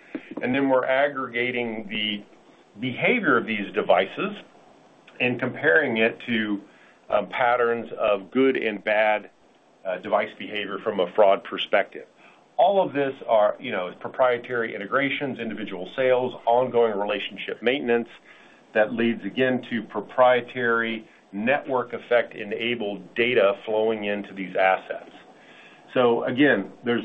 Speaker 3: Then we're aggregating the behavior of these devices and comparing it to patterns of good and bad device behavior from a fraud perspective. All of these are, you know, proprietary integrations, individual sales, ongoing relationship maintenance, that leads, again, to proprietary network effect-enabled data flowing into these assets. So again, there's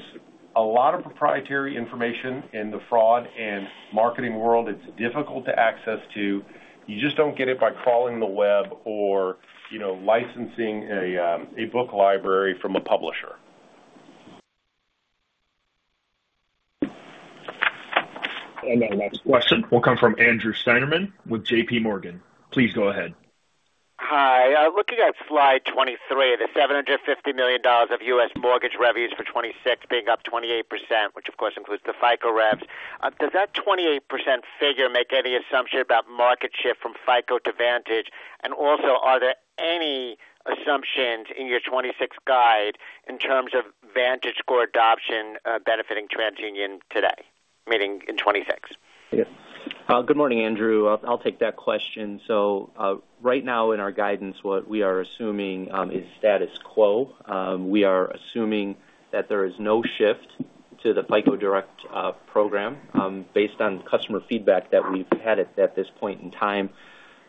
Speaker 3: a lot of proprietary information in the fraud and marketing world. It's difficult to access, too. You just don't get it by crawling the web or, you know, licensing a book library from a publisher.
Speaker 1: The next question will come from Andrew Steinerman with J.P. Morgan. Please go ahead.
Speaker 7: Hi. Looking at slide 23, the $750 million of U.S. mortgage revenues for 2026 being up 28%, which, of course, includes the FICO revs. Does that 28% figure make any assumption about market shift from FICO to Vantage? And also, are there any assumptions in your 2026 guide in terms of VantageScore adoption, benefiting TransUnion today, meaning in 2026?
Speaker 4: Yeah. Good morning, Andrew. I'll take that question. So, right now, in our guidance, what we are assuming is status quo. We are assuming that there is no shift to the FICO Direct program, based on customer feedback that we've had at this point in time.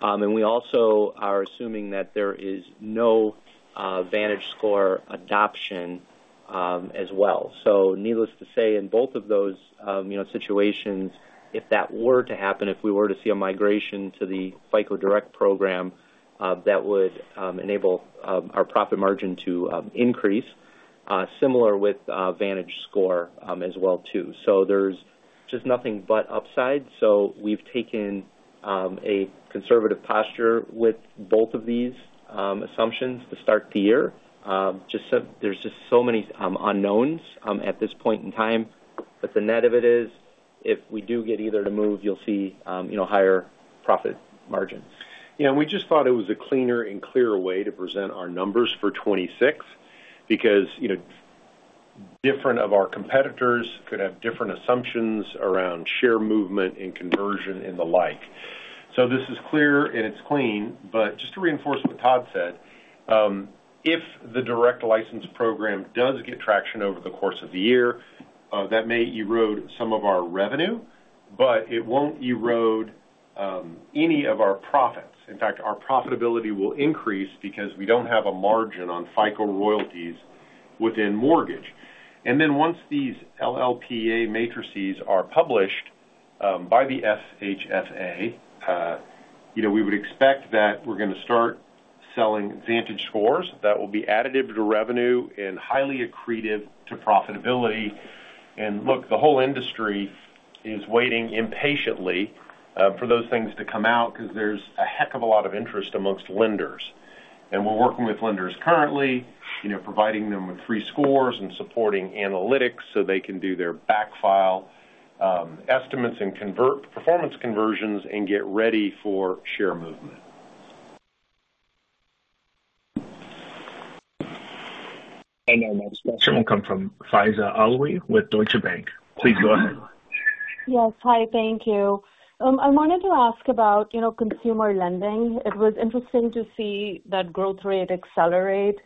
Speaker 4: And we also are assuming that there is no VantageScore adoption, as well. So needless to say, in both of those, you know, situations, if that were to happen, if we were to see a migration to the FICO Direct program, that would enable our profit margin to increase, similar with VantageScore, as well, too. So there's just nothing but upside. So we've taken a conservative posture with both of these assumptions to start the year. There's just so many unknowns at this point in time. But the net of it is, if we do get either to move, you'll see, you know, higher profit margins.
Speaker 3: Yeah, and we just thought it was a cleaner and clearer way to present our numbers for 2026 because, you know, different of our competitors could have different assumptions around share movement and conversion and the like. So this is clear, and it's clean, but just to reinforce what Todd said, if the direct license program does get traction over the course of the year, that may erode some of our revenue, but it won't erode any of our profits. In fact, our profitability will increase because we don't have a margin on FICO royalties within mortgage. And then once these LLPA matrices are published by the FHFA, you know, we would expect that we're gonna start selling VantageScores that will be additive to revenue and highly accretive to profitability. And look, the whole industry is waiting impatiently for those things to come out because there's a heck of a lot of interest amongst lenders. And we're working with lenders currently, you know, providing them with free scores and supporting analytics so they can do their backfile estimates and conversion performance conversions and get ready for share movement.
Speaker 1: Our next question will come from Faiza Alwy with Deutsche Bank. Please go ahead.
Speaker 8: Yes. Hi, thank you. I wanted to ask about, you know, Consumer Lending. It was interesting to see that growth rate accelerate.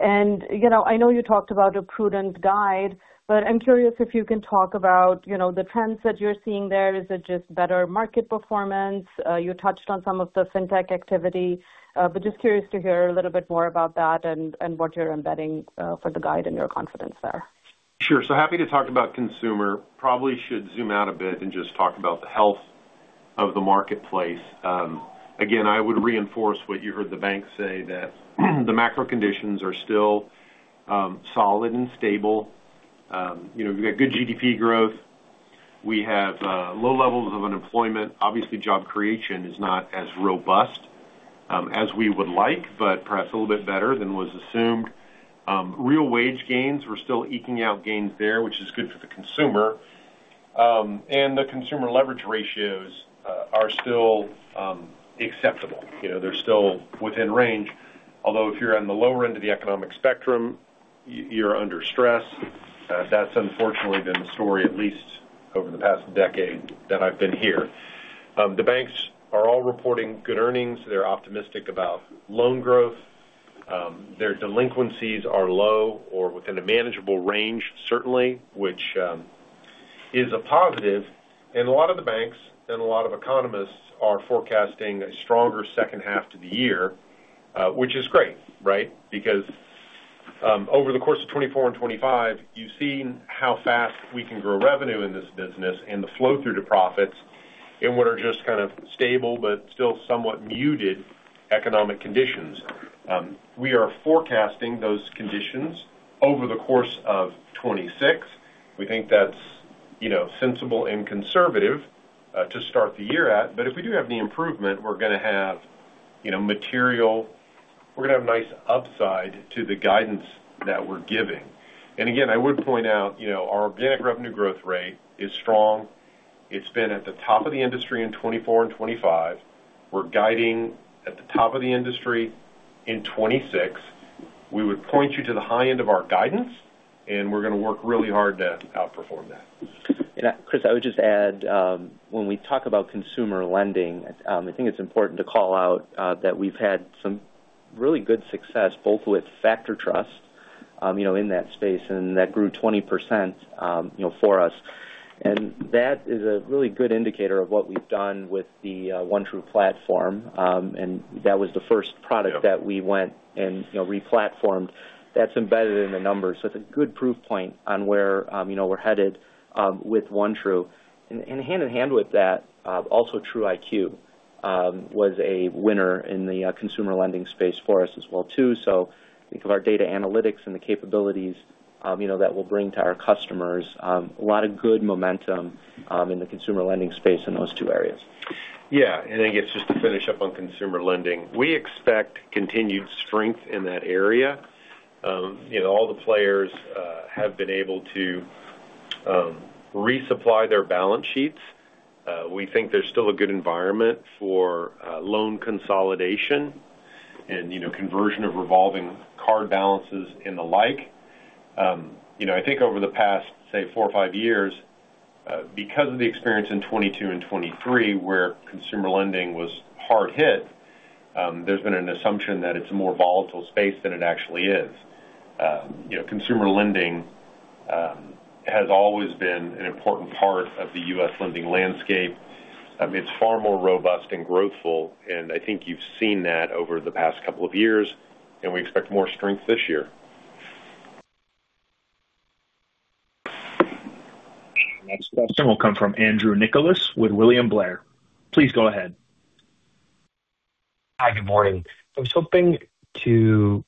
Speaker 8: And, you know, I know you talked about a prudent guide, but I'm curious if you can talk about, you know, the trends that you're seeing there. Is it just better market performance? You touched on some of the fintech activity, but just curious to hear a little bit more about that and what you're embedding for the guide and your confidence there.
Speaker 3: Sure. So happy to talk about consumer. Probably should zoom out a bit and just talk about the health of the marketplace. Again, I would reinforce what you heard the bank say, that the macro conditions are still solid and stable. You know, we've got good GDP growth. We have low levels of unemployment. Obviously, job creation is not as robust as we would like, but perhaps a little bit better than was assumed. Real wage gains, we're still eking out gains there, which is good for the consumer. And the consumer leverage ratios are still acceptable. You know, they're still within range, although if you're on the lower end of the economic spectrum, you're under stress. That's unfortunately been the story, at least over the past decade that I've been here. The banks are all reporting good earnings. They're optimistic about loan growth. Their delinquencies are low or within a manageable range, certainly, which is a positive. And a lot of the banks and a lot of economists are forecasting a stronger second half to the year, which is great, right? Because over the course of 2024 and 2025, you've seen how fast we can grow revenue in this business and the flow through to profits in what are just kind of stable but still somewhat muted economic conditions. We are forecasting those conditions over the course of 2026. We think that's, you know, sensible and conservative to start the year at. But if we do have the improvement, we're gonna have, you know, material. We're gonna have nice upside to the guidance that we're giving. Again, I would point out, you know, our organic revenue growth rate is strong. It's been at the top of the industry in 2024 and 2025. We're guiding at the top of the industry in 2026. We would point you to the high end of our guidance, and we're gonna work really hard to outperform that.
Speaker 4: And, Chris, I would just add, when we talk about Consumer Lending, I think it's important to call out, that we've had some really good success, both with FactorTrust, you know, in that space, and that grew 20%, you know, for us. And that is a really good indicator of what we've done with the, OneTru platform. And that was the first product-that we went and, you know, replatformed. That's embedded in the numbers. So it's a good proof point on where, you know, we're headed, with OneTru. And hand in hand with that, also TruIQ, was a winner in the Consumer Lending space for us as well, too. So think of our data analytics and the capabilities, you know, that we'll bring to our customers. A lot of good momentum, in the Consumer Lending space in those two areas.
Speaker 3: Yeah. I guess, just to finish up on Consumer Lending, we expect continued strength in that area. You know, all the players have been able to resupply their balance sheets. We think there's still a good environment for loan consolidation and, you know, conversion of revolving card balances and the like. You know, I think over the past, say, four or five years, because of the experience in 2022 and 2023, where Consumer Lending was hard hit, there's been an assumption that it's a more volatile space than it actually is. You know, Consumer Lending has always been an important part of the U.S. lending landscape. I mean, it's far more robust and growthful, and I think you've seen that over the past couple of years, and we expect more strength this year.
Speaker 1: Next question will come from Andrew Nicholas with William Blair. Please go ahead.
Speaker 9: Hi, good morning. I was hoping to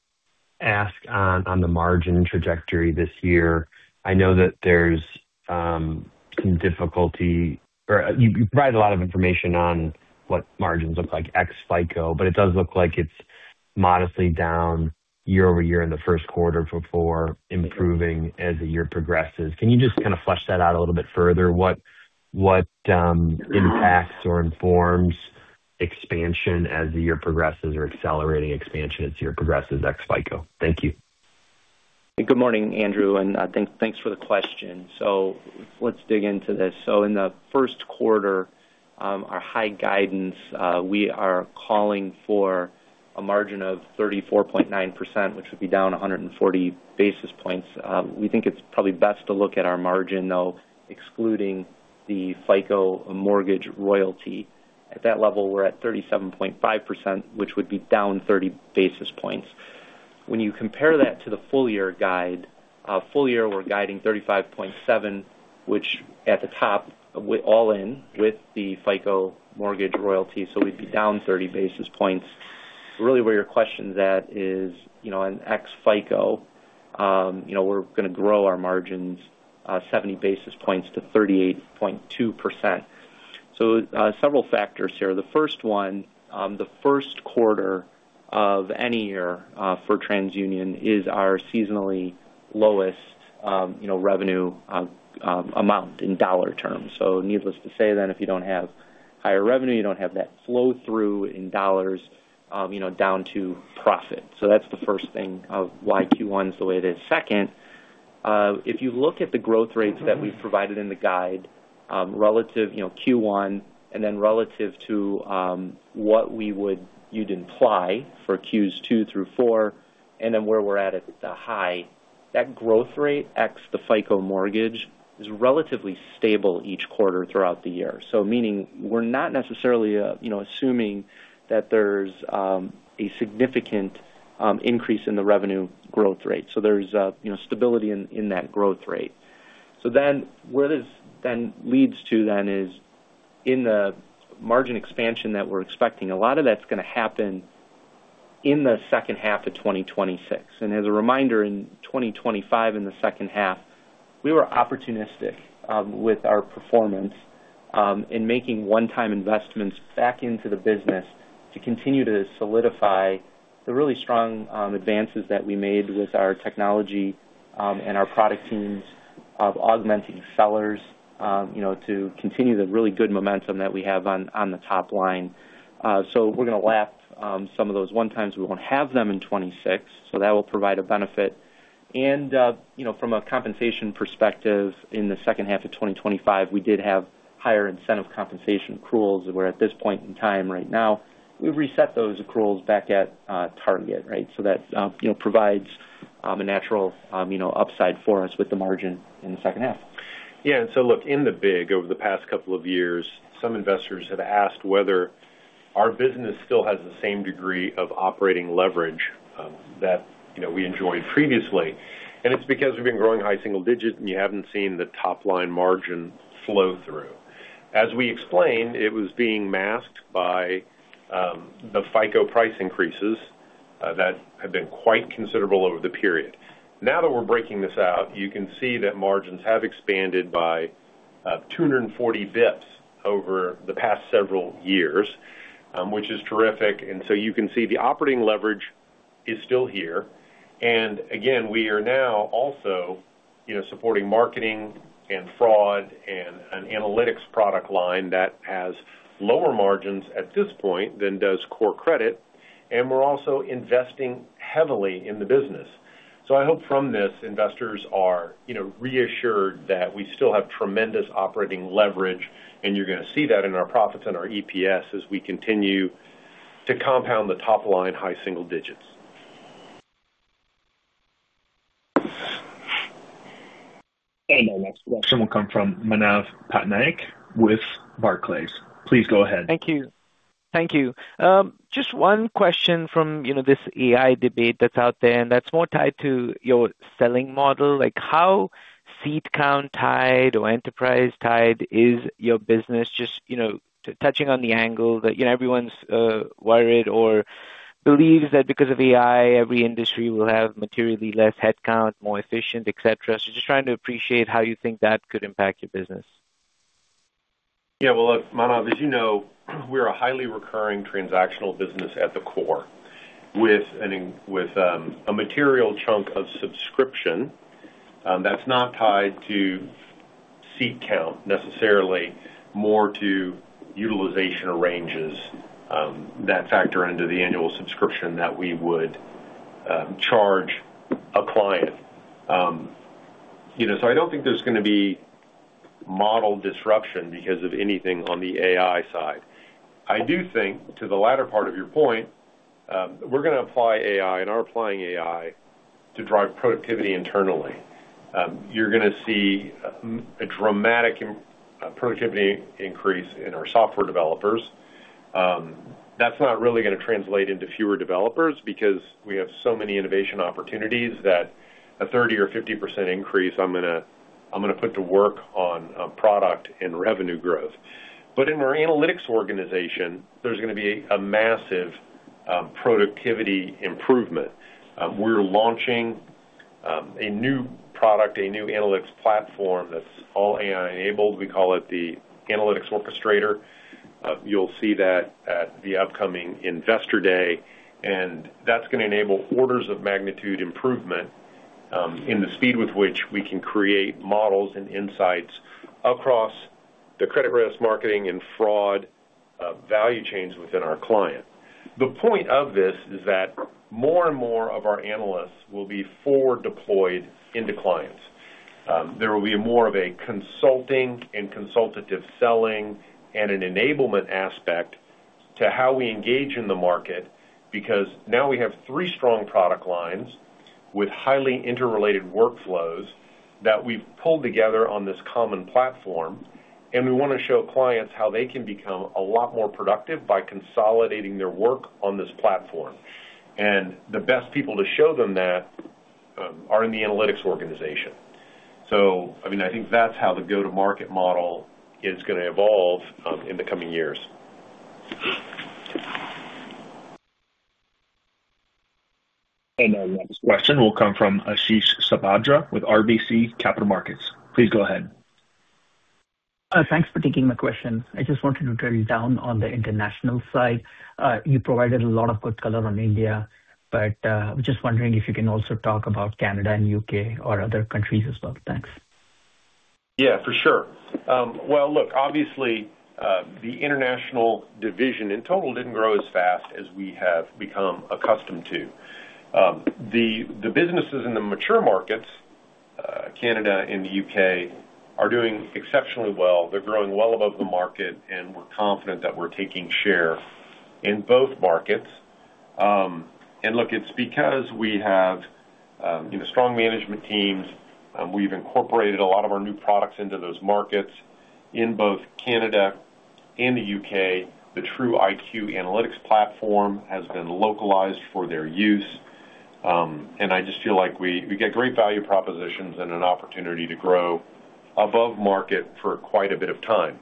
Speaker 9: ask on, on the margin trajectory this year. I know that there's some difficulty or you, you provide a lot of information on what margins look like ex FICO, but it does look like it's modestly down year-over-year in the first quarter before improving as the year progresses. Can you just kind of flesh that out a little bit further? What, what, impacts or informs expansion as the year progresses, or accelerating expansion as the year progresses, ex FICO? Thank you.
Speaker 4: Good morning, Andrew, and thanks for the question. So let's dig into this. So in the first quarter, our high guidance, we are calling for a margin of 34.9%, which would be down 140 basis points. We think it's probably best to look at our margin, though, excluding the FICO mortgage royalty. At that level, we're at 37.5%, which would be down 30 basis points. When you compare that to the full year guide, full year, we're guiding 35.7%, which at the top, all in with the FICO mortgage royalty, so we'd be down 30 basis points. Really where your question is at is, you know, in ex FICO, you know, we're going to grow our margins 70 basis points to 38.2%. So, several factors here. The first one, the first quarter of any year, for TransUnion is our seasonally lowest, you know, revenue, amount in dollar terms. So needless to say, then, if you don't have higher revenue, you don't have that flow-through in dollars, you know, down to profit. So that's the first thing of why Q1 is the way it is. Second, if you look at the growth rates that we've provided in the guide, relative, you know, Q1, and then relative to, what we would you'd imply for Q2 through four, and then where we're at at the high, that growth rate, ex the FICO mortgage, is relatively stable each quarter throughout the year. So meaning, we're not necessarily, you know, assuming that there's, a significant, increase in the revenue growth rate. So there's a, you know, stability in that growth rate. So then, what this then leads to then is in the margin expansion that we're expecting, a lot of that's going to happen in the second half of 2026. And as a reminder, in 2025, in the second half, we were opportunistic with our performance in making one-time investments back into the business to continue to solidify the really strong advances that we made with our technology and our product teams of augmenting sellers, you know, to continue the really good momentum that we have on the top line. So we're going to lap some of those one-times. We won't have them in 2026, so that will provide a benefit. You know, from a compensation perspective, in the second half of 2025, we did have higher incentive compensation accruals, where at this point in time right now, we've reset those accruals back at target, right? So that, you know, provides a natural, you know, upside for us with the margin in the second half.
Speaker 3: Yeah, so look, in the big, over the past couple of years, some investors have asked whether our business still has the same degree of operating leverage, that, you know, we enjoyed previously. And it's because we've been growing high single digits, and you haven't seen the top-line margin flow through. As we explained, it was being masked by the FICO price increases, that have been quite considerable over the period. Now that we're breaking this out, you can see that margins have expanded by 240 bps over the past several years, which is terrific. And so you can see the operating leverage is still here. And again, we are now also, you know, supporting Marketing and Fraud and an analytics product line that has lower margins at this point than does core credit, and we're also investing heavily in the business. I hope from this, investors are, you know, reassured that we still have tremendous operating leverage, and you're going to see that in our profits and our EPS as we continue to compound the top line high single digits.
Speaker 1: Our next question will come from Manav Patnaik with Barclays. Please go ahead.
Speaker 10: Thank you. Just one question from, you know, this AI debate that's out there, and that's more tied to your selling model. Like, how seat count tied or enterprise tied is your business? Just, you know, touching on the angle that, you know, everyone's worried or believes that because of AI, every industry will have materially less headcount, more efficient, et cetera. So just trying to appreciate how you think that could impact your business.
Speaker 3: Yeah, well, look, Manav, as you know, we're a highly recurring transactional business at the core, with a material chunk of subscription, that's not tied to seat count, necessarily, more to utilization ranges, that factor into the annual subscription that we would charge a client. You know, so I don't think there's going to be model disruption because of anything on the AI side. I do think, to the latter part of your point, we're going to apply AI, and are applying AI to drive productivity internally. You're going to see a dramatic productivity increase in our software developers. That's not really going to translate into fewer developers because we have so many innovation opportunities that a 30% or 50% increase, I'm going to put to work on product and revenue growth. But in our analytics organization, there's going to be a massive productivity improvement. We're launching a new product, a new analytics platform that's all AI-enabled. We call it the Analytics Orchestrator. You'll see that at the upcoming Investor Day, and that's going to enable orders of magnitude improvement in the speed with which we can create models and insights across the credit risk, marketing, and fraud value chains within our client. The point of this is that more and more of our analysts will be forward-deployed into clients. There will be more of a consulting and consultative selling and an enablement aspect to how we engage in the market, because now we have three strong product lines with highly interrelated workflows that we've pulled together on this common platform, and we want to show clients how they can become a lot more productive by consolidating their work on this platform. The best people to show them that are in the analytics organization. So, I mean, I think that's how the go-to-market model is gonna evolve in the coming years.
Speaker 1: Our next question will come from Ashish Sabadra with RBC Capital Markets. Please go ahead.
Speaker 11: Thanks for taking my question. I just wanted to drill down on the International side. You provided a lot of good color on India, but, I'm just wondering if you can also talk about Canada and U.K. or other countries as well. Thanks.
Speaker 3: Yeah, for sure. Well, look, obviously, the International division in total didn't grow as fast as we have become accustomed to. The businesses in the mature markets, Canada and the U.K., are doing exceptionally well. They're growing well above the market, and we're confident that we're taking share in both markets. And look, it's because we have, you know, strong management teams, we've incorporated a lot of our new products into those markets. In both Canada and the U.K., the TruIQ analytics platform has been localized for their use. And I just feel like we get great value propositions and an opportunity to grow above market for quite a bit of time.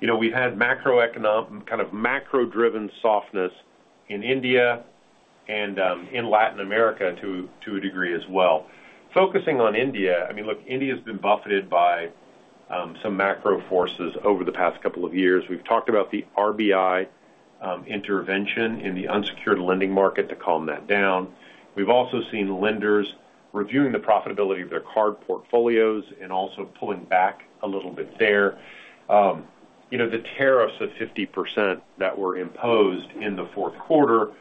Speaker 3: You know, we've had macroeconomic - kind of macro-driven softness in India and in Latin America to a degree as well. Focusing on India, I mean, look, India's been buffeted by some macro forces over the past couple of years. We've talked about the RBI intervention in the unsecured lending market to calm that down. We've also seen lenders reviewing the profitability of their card portfolios and also pulling back a little bit there. You know, the tariffs of 50% that were imposed in the fourth quarter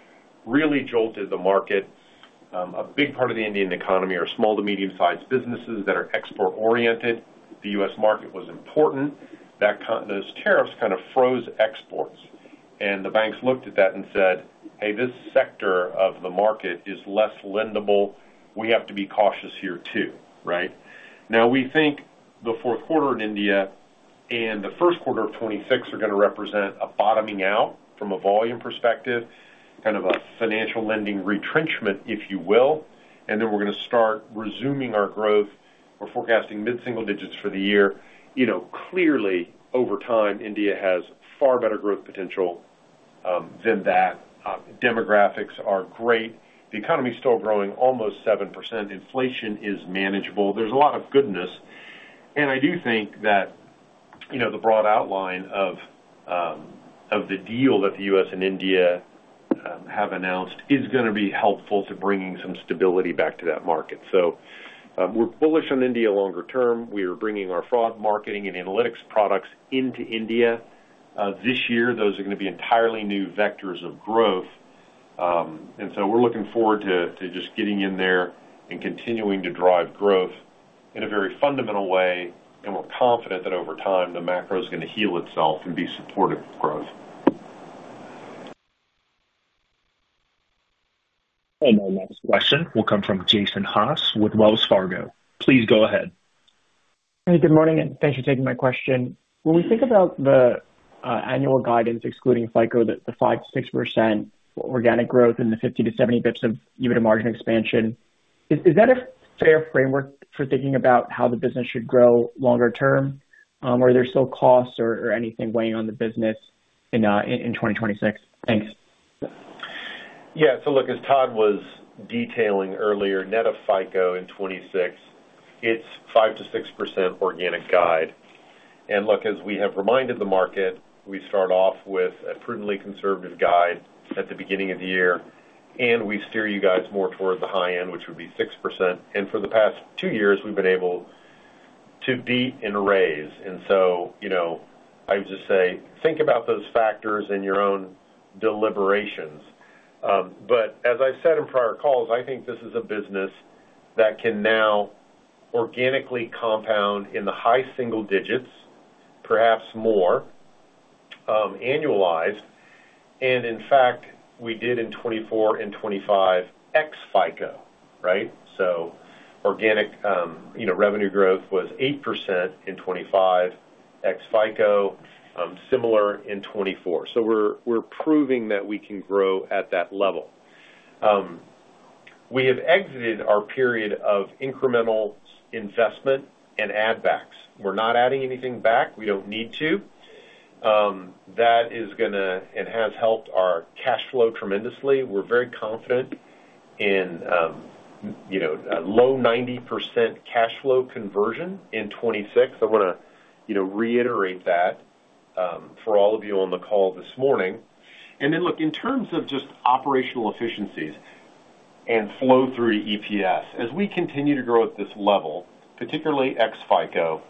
Speaker 3: really jolted the market. A big part of the Indian economy are small to medium-sized businesses that are export-oriented. The U.S. market was important. Those tariffs kind of froze exports, and the banks looked at that and said, "Hey, this sector of the market is less lendable. We have to be cautious here, too," right? Now, we think the fourth quarter in India and the first quarter of 2026 are gonna represent a bottoming out from a volume perspective, kind of a financial lending retrenchment, if you will, and then we're gonna start resuming our growth. We're forecasting mid-single digits for the year. You know, clearly, over time, India has far better growth potential than that. Demographics are great. The economy is still growing almost 7%. Inflation is manageable. There's a lot of goodness. And I do think that, you know, the broad outline of of the deal that the U.S. and India have announced is gonna be helpful to bringing some stability back to that market. So, we're bullish on India longer term. We are bringing our fraud, marketing, and analytics products into India. This year, those are gonna be entirely new vectors of growth. And so we're looking forward to just getting in there and continuing to drive growth in a very fundamental way, and we're confident that over time, the macro is gonna heal itself and be supportive of growth.
Speaker 1: Our next question will come from Jason Haas with Wells Fargo. Please go ahead.
Speaker 12: Hey, good morning, and thanks for taking my question. When we think about the annual guidance, excluding FICO, the 5%-6% organic growth and the 50-70 basis points of EBITDA margin expansion, is that a fair framework for thinking about how the business should grow longer term? Are there still costs or anything weighing on the business in 2026? Thanks.
Speaker 3: Yeah. So look, as Todd was detailing earlier, net of FICO in 2026, it's 5%-6% organic guide. And look, as we have reminded the market, we start off with a prudently conservative guide at the beginning of the year, and we steer you guys more towards the high end, which would be 6%. And for the past two years, we've been able to beat and raise. And so, you know, I would just say, think about those factors in your own deliberations. But as I said in prior calls, I think this is a business that can now organically compound in the high single digits, perhaps more, annualized. And in fact, we did in 2024 and 2025, ex FICO, right? So organic, you know, revenue growth was 8% in 2025, ex FICO, similar in 2024. So we're proving that we can grow at that level. We have exited our period of incremental investment and add backs. We're not adding anything back. We don't need to. That is gonna and has helped our cash flow tremendously. We're very confident in, you know, a low 90% cash flow conversion in 2026. I wanna, you know, reiterate that, for all of you on the call this morning. And then, look, in terms of just operational efficiencies and flow through EPS, as we continue to grow at this level, particularly ex FICO,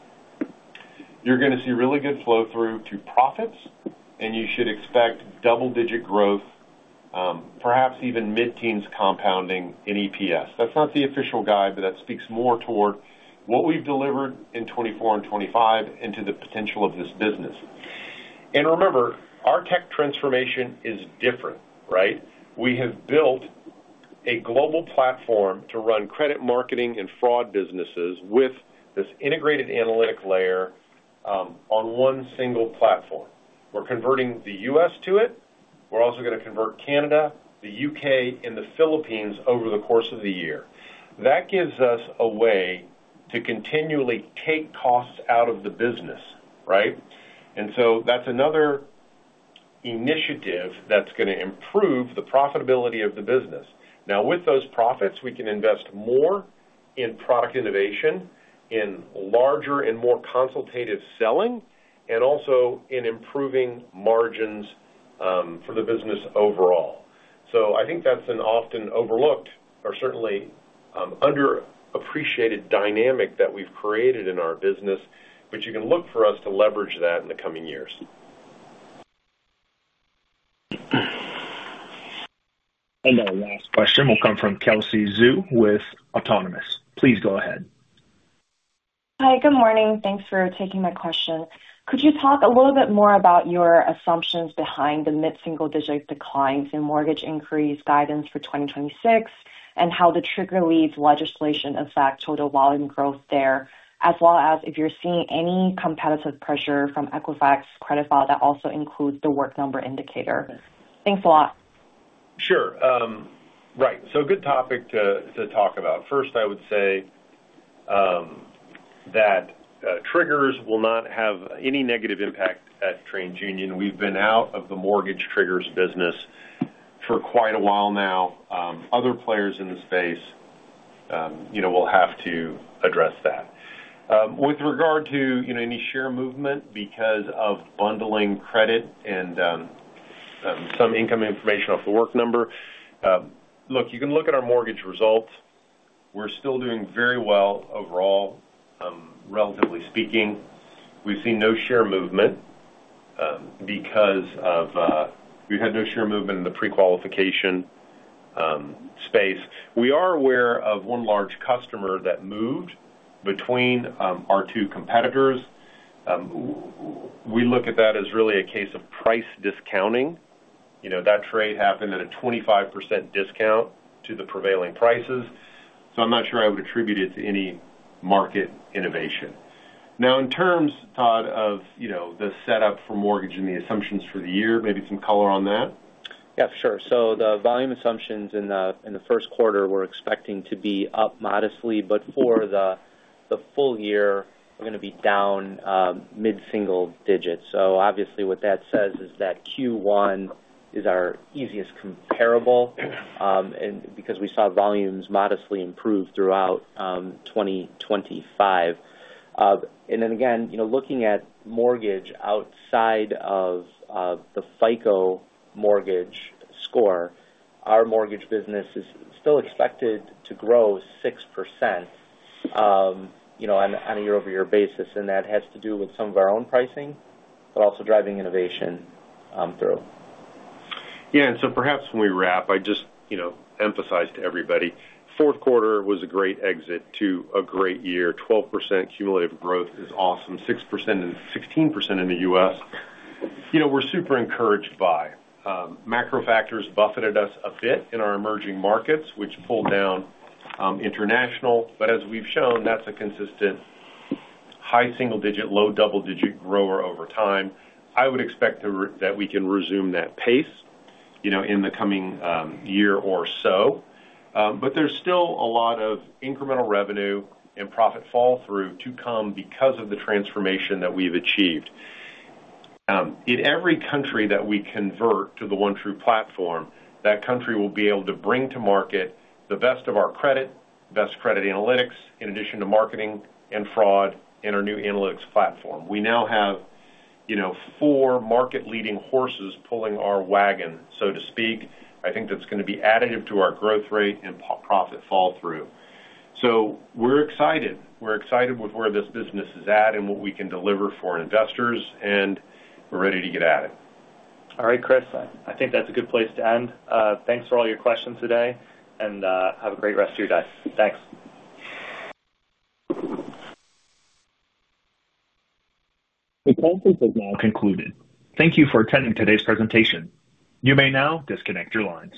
Speaker 3: you're gonna see really good flow-through to profits, and you should expect double-digit growth, perhaps even mid-teens compounding in EPS. That's not the official guide, but that speaks more toward what we've delivered in 2024 and 2025 into the potential of this business. Remember, our tech transformation is different, right? We have built a global platform to run credit, marketing, and fraud businesses with this integrated analytic layer on one single platform. We're converting the U.S. to it. We're also gonna convert Canada, the U.K., and the Philippines over the course of the year. That gives us a way to continually take costs out of the business, right? And so that's another initiative that's gonna improve the profitability of the business. Now, with those profits, we can invest more in product innovation, in larger and more consultative selling, and also in improving margins for the business overall. So I think that's an often overlooked or certainly underappreciated dynamic that we've created in our business, which you can look for us to leverage that in the coming years.
Speaker 1: Our last question will come from Kelsey Zhu with Autonomous. Please go ahead.
Speaker 13: Hi, good morning. Thanks for taking my question. Could you talk a little bit more about your assumptions behind the mid-single-digit declines in mortgage inquiries guidance for 2026, and how the trigger leads legislation affect total volume growth there, as well as if you're seeing any competitive pressure from Equifax credit file that also includes the Work Number indicator? Thanks a lot.
Speaker 3: Sure. Right. So good topic to talk about. First, I would say that triggers will not have any negative impact at TransUnion. We've been out of the mortgage triggers business for quite a while now. Other players in the space, you know, will have to address that. With regard to, you know, any share movement because of bundling credit and some income information off the Work Number, look, you can look at our mortgage results. We're still doing very well overall, relatively speaking. We've seen no share movement because of. We've had no share movement in the pre-qualification space. We are aware of one large customer that moved between our two competitors. We look at that as really a case of price discounting. You know, that trade happened at a 25% discount to the prevailing prices, so I'm not sure I would attribute it to any market innovation. Now, in terms, Todd, of, you know, the setup for mortgage and the assumptions for the year, maybe some color on that?
Speaker 4: Yeah, sure. So the volume assumptions in the, in the first quarter were expecting to be up modestly, but for the, the full year, we're gonna be down mid-single digits. So obviously, what that says is that Q1 is our easiest comparable, and because we saw volumes modestly improve throughout 2025. And then again, you know, looking at mortgage outside of the FICO mortgage score, our mortgage business is still expected to grow 6%, you know, on a year-over-year basis, and that has to do with some of our own pricing, but also driving innovation through.
Speaker 3: Yeah, and so perhaps when we wrap, I just, you know, emphasize to everybody, fourth quarter was a great exit to a great year. 12% cumulative growth is awesome. 6% and 16% in the U.S., you know, we're super encouraged by. Macro factors buffeted us a bit in our emerging markets, which pulled down International, but as we've shown, that's a consistent high single digit, low double digit grower over time. I would expect that we can resume that pace, you know, in the coming year or so. But there's still a lot of incremental revenue and profit fall through to come because of the transformation that we've achieved. In every country that we convert to the OneTru platform, that country will be able to bring to market the best of our credit, best credit analytics, in addition to Marketing and Fraud in our new analytics platform. We now have, you know, four market-leading horses pulling our wagon, so to speak. I think that's gonna be additive to our growth rate and profit fall-through. So we're excited. We're excited with where this business is at and what we can deliver for investors, and we're ready to get at it.
Speaker 2: All right, Chris, I think that's a good place to end. Thanks for all your questions today, and, have a great rest of your day. Thanks.
Speaker 1: The conference is now concluded. Thank you for attending today's presentation. You may now disconnect your lines.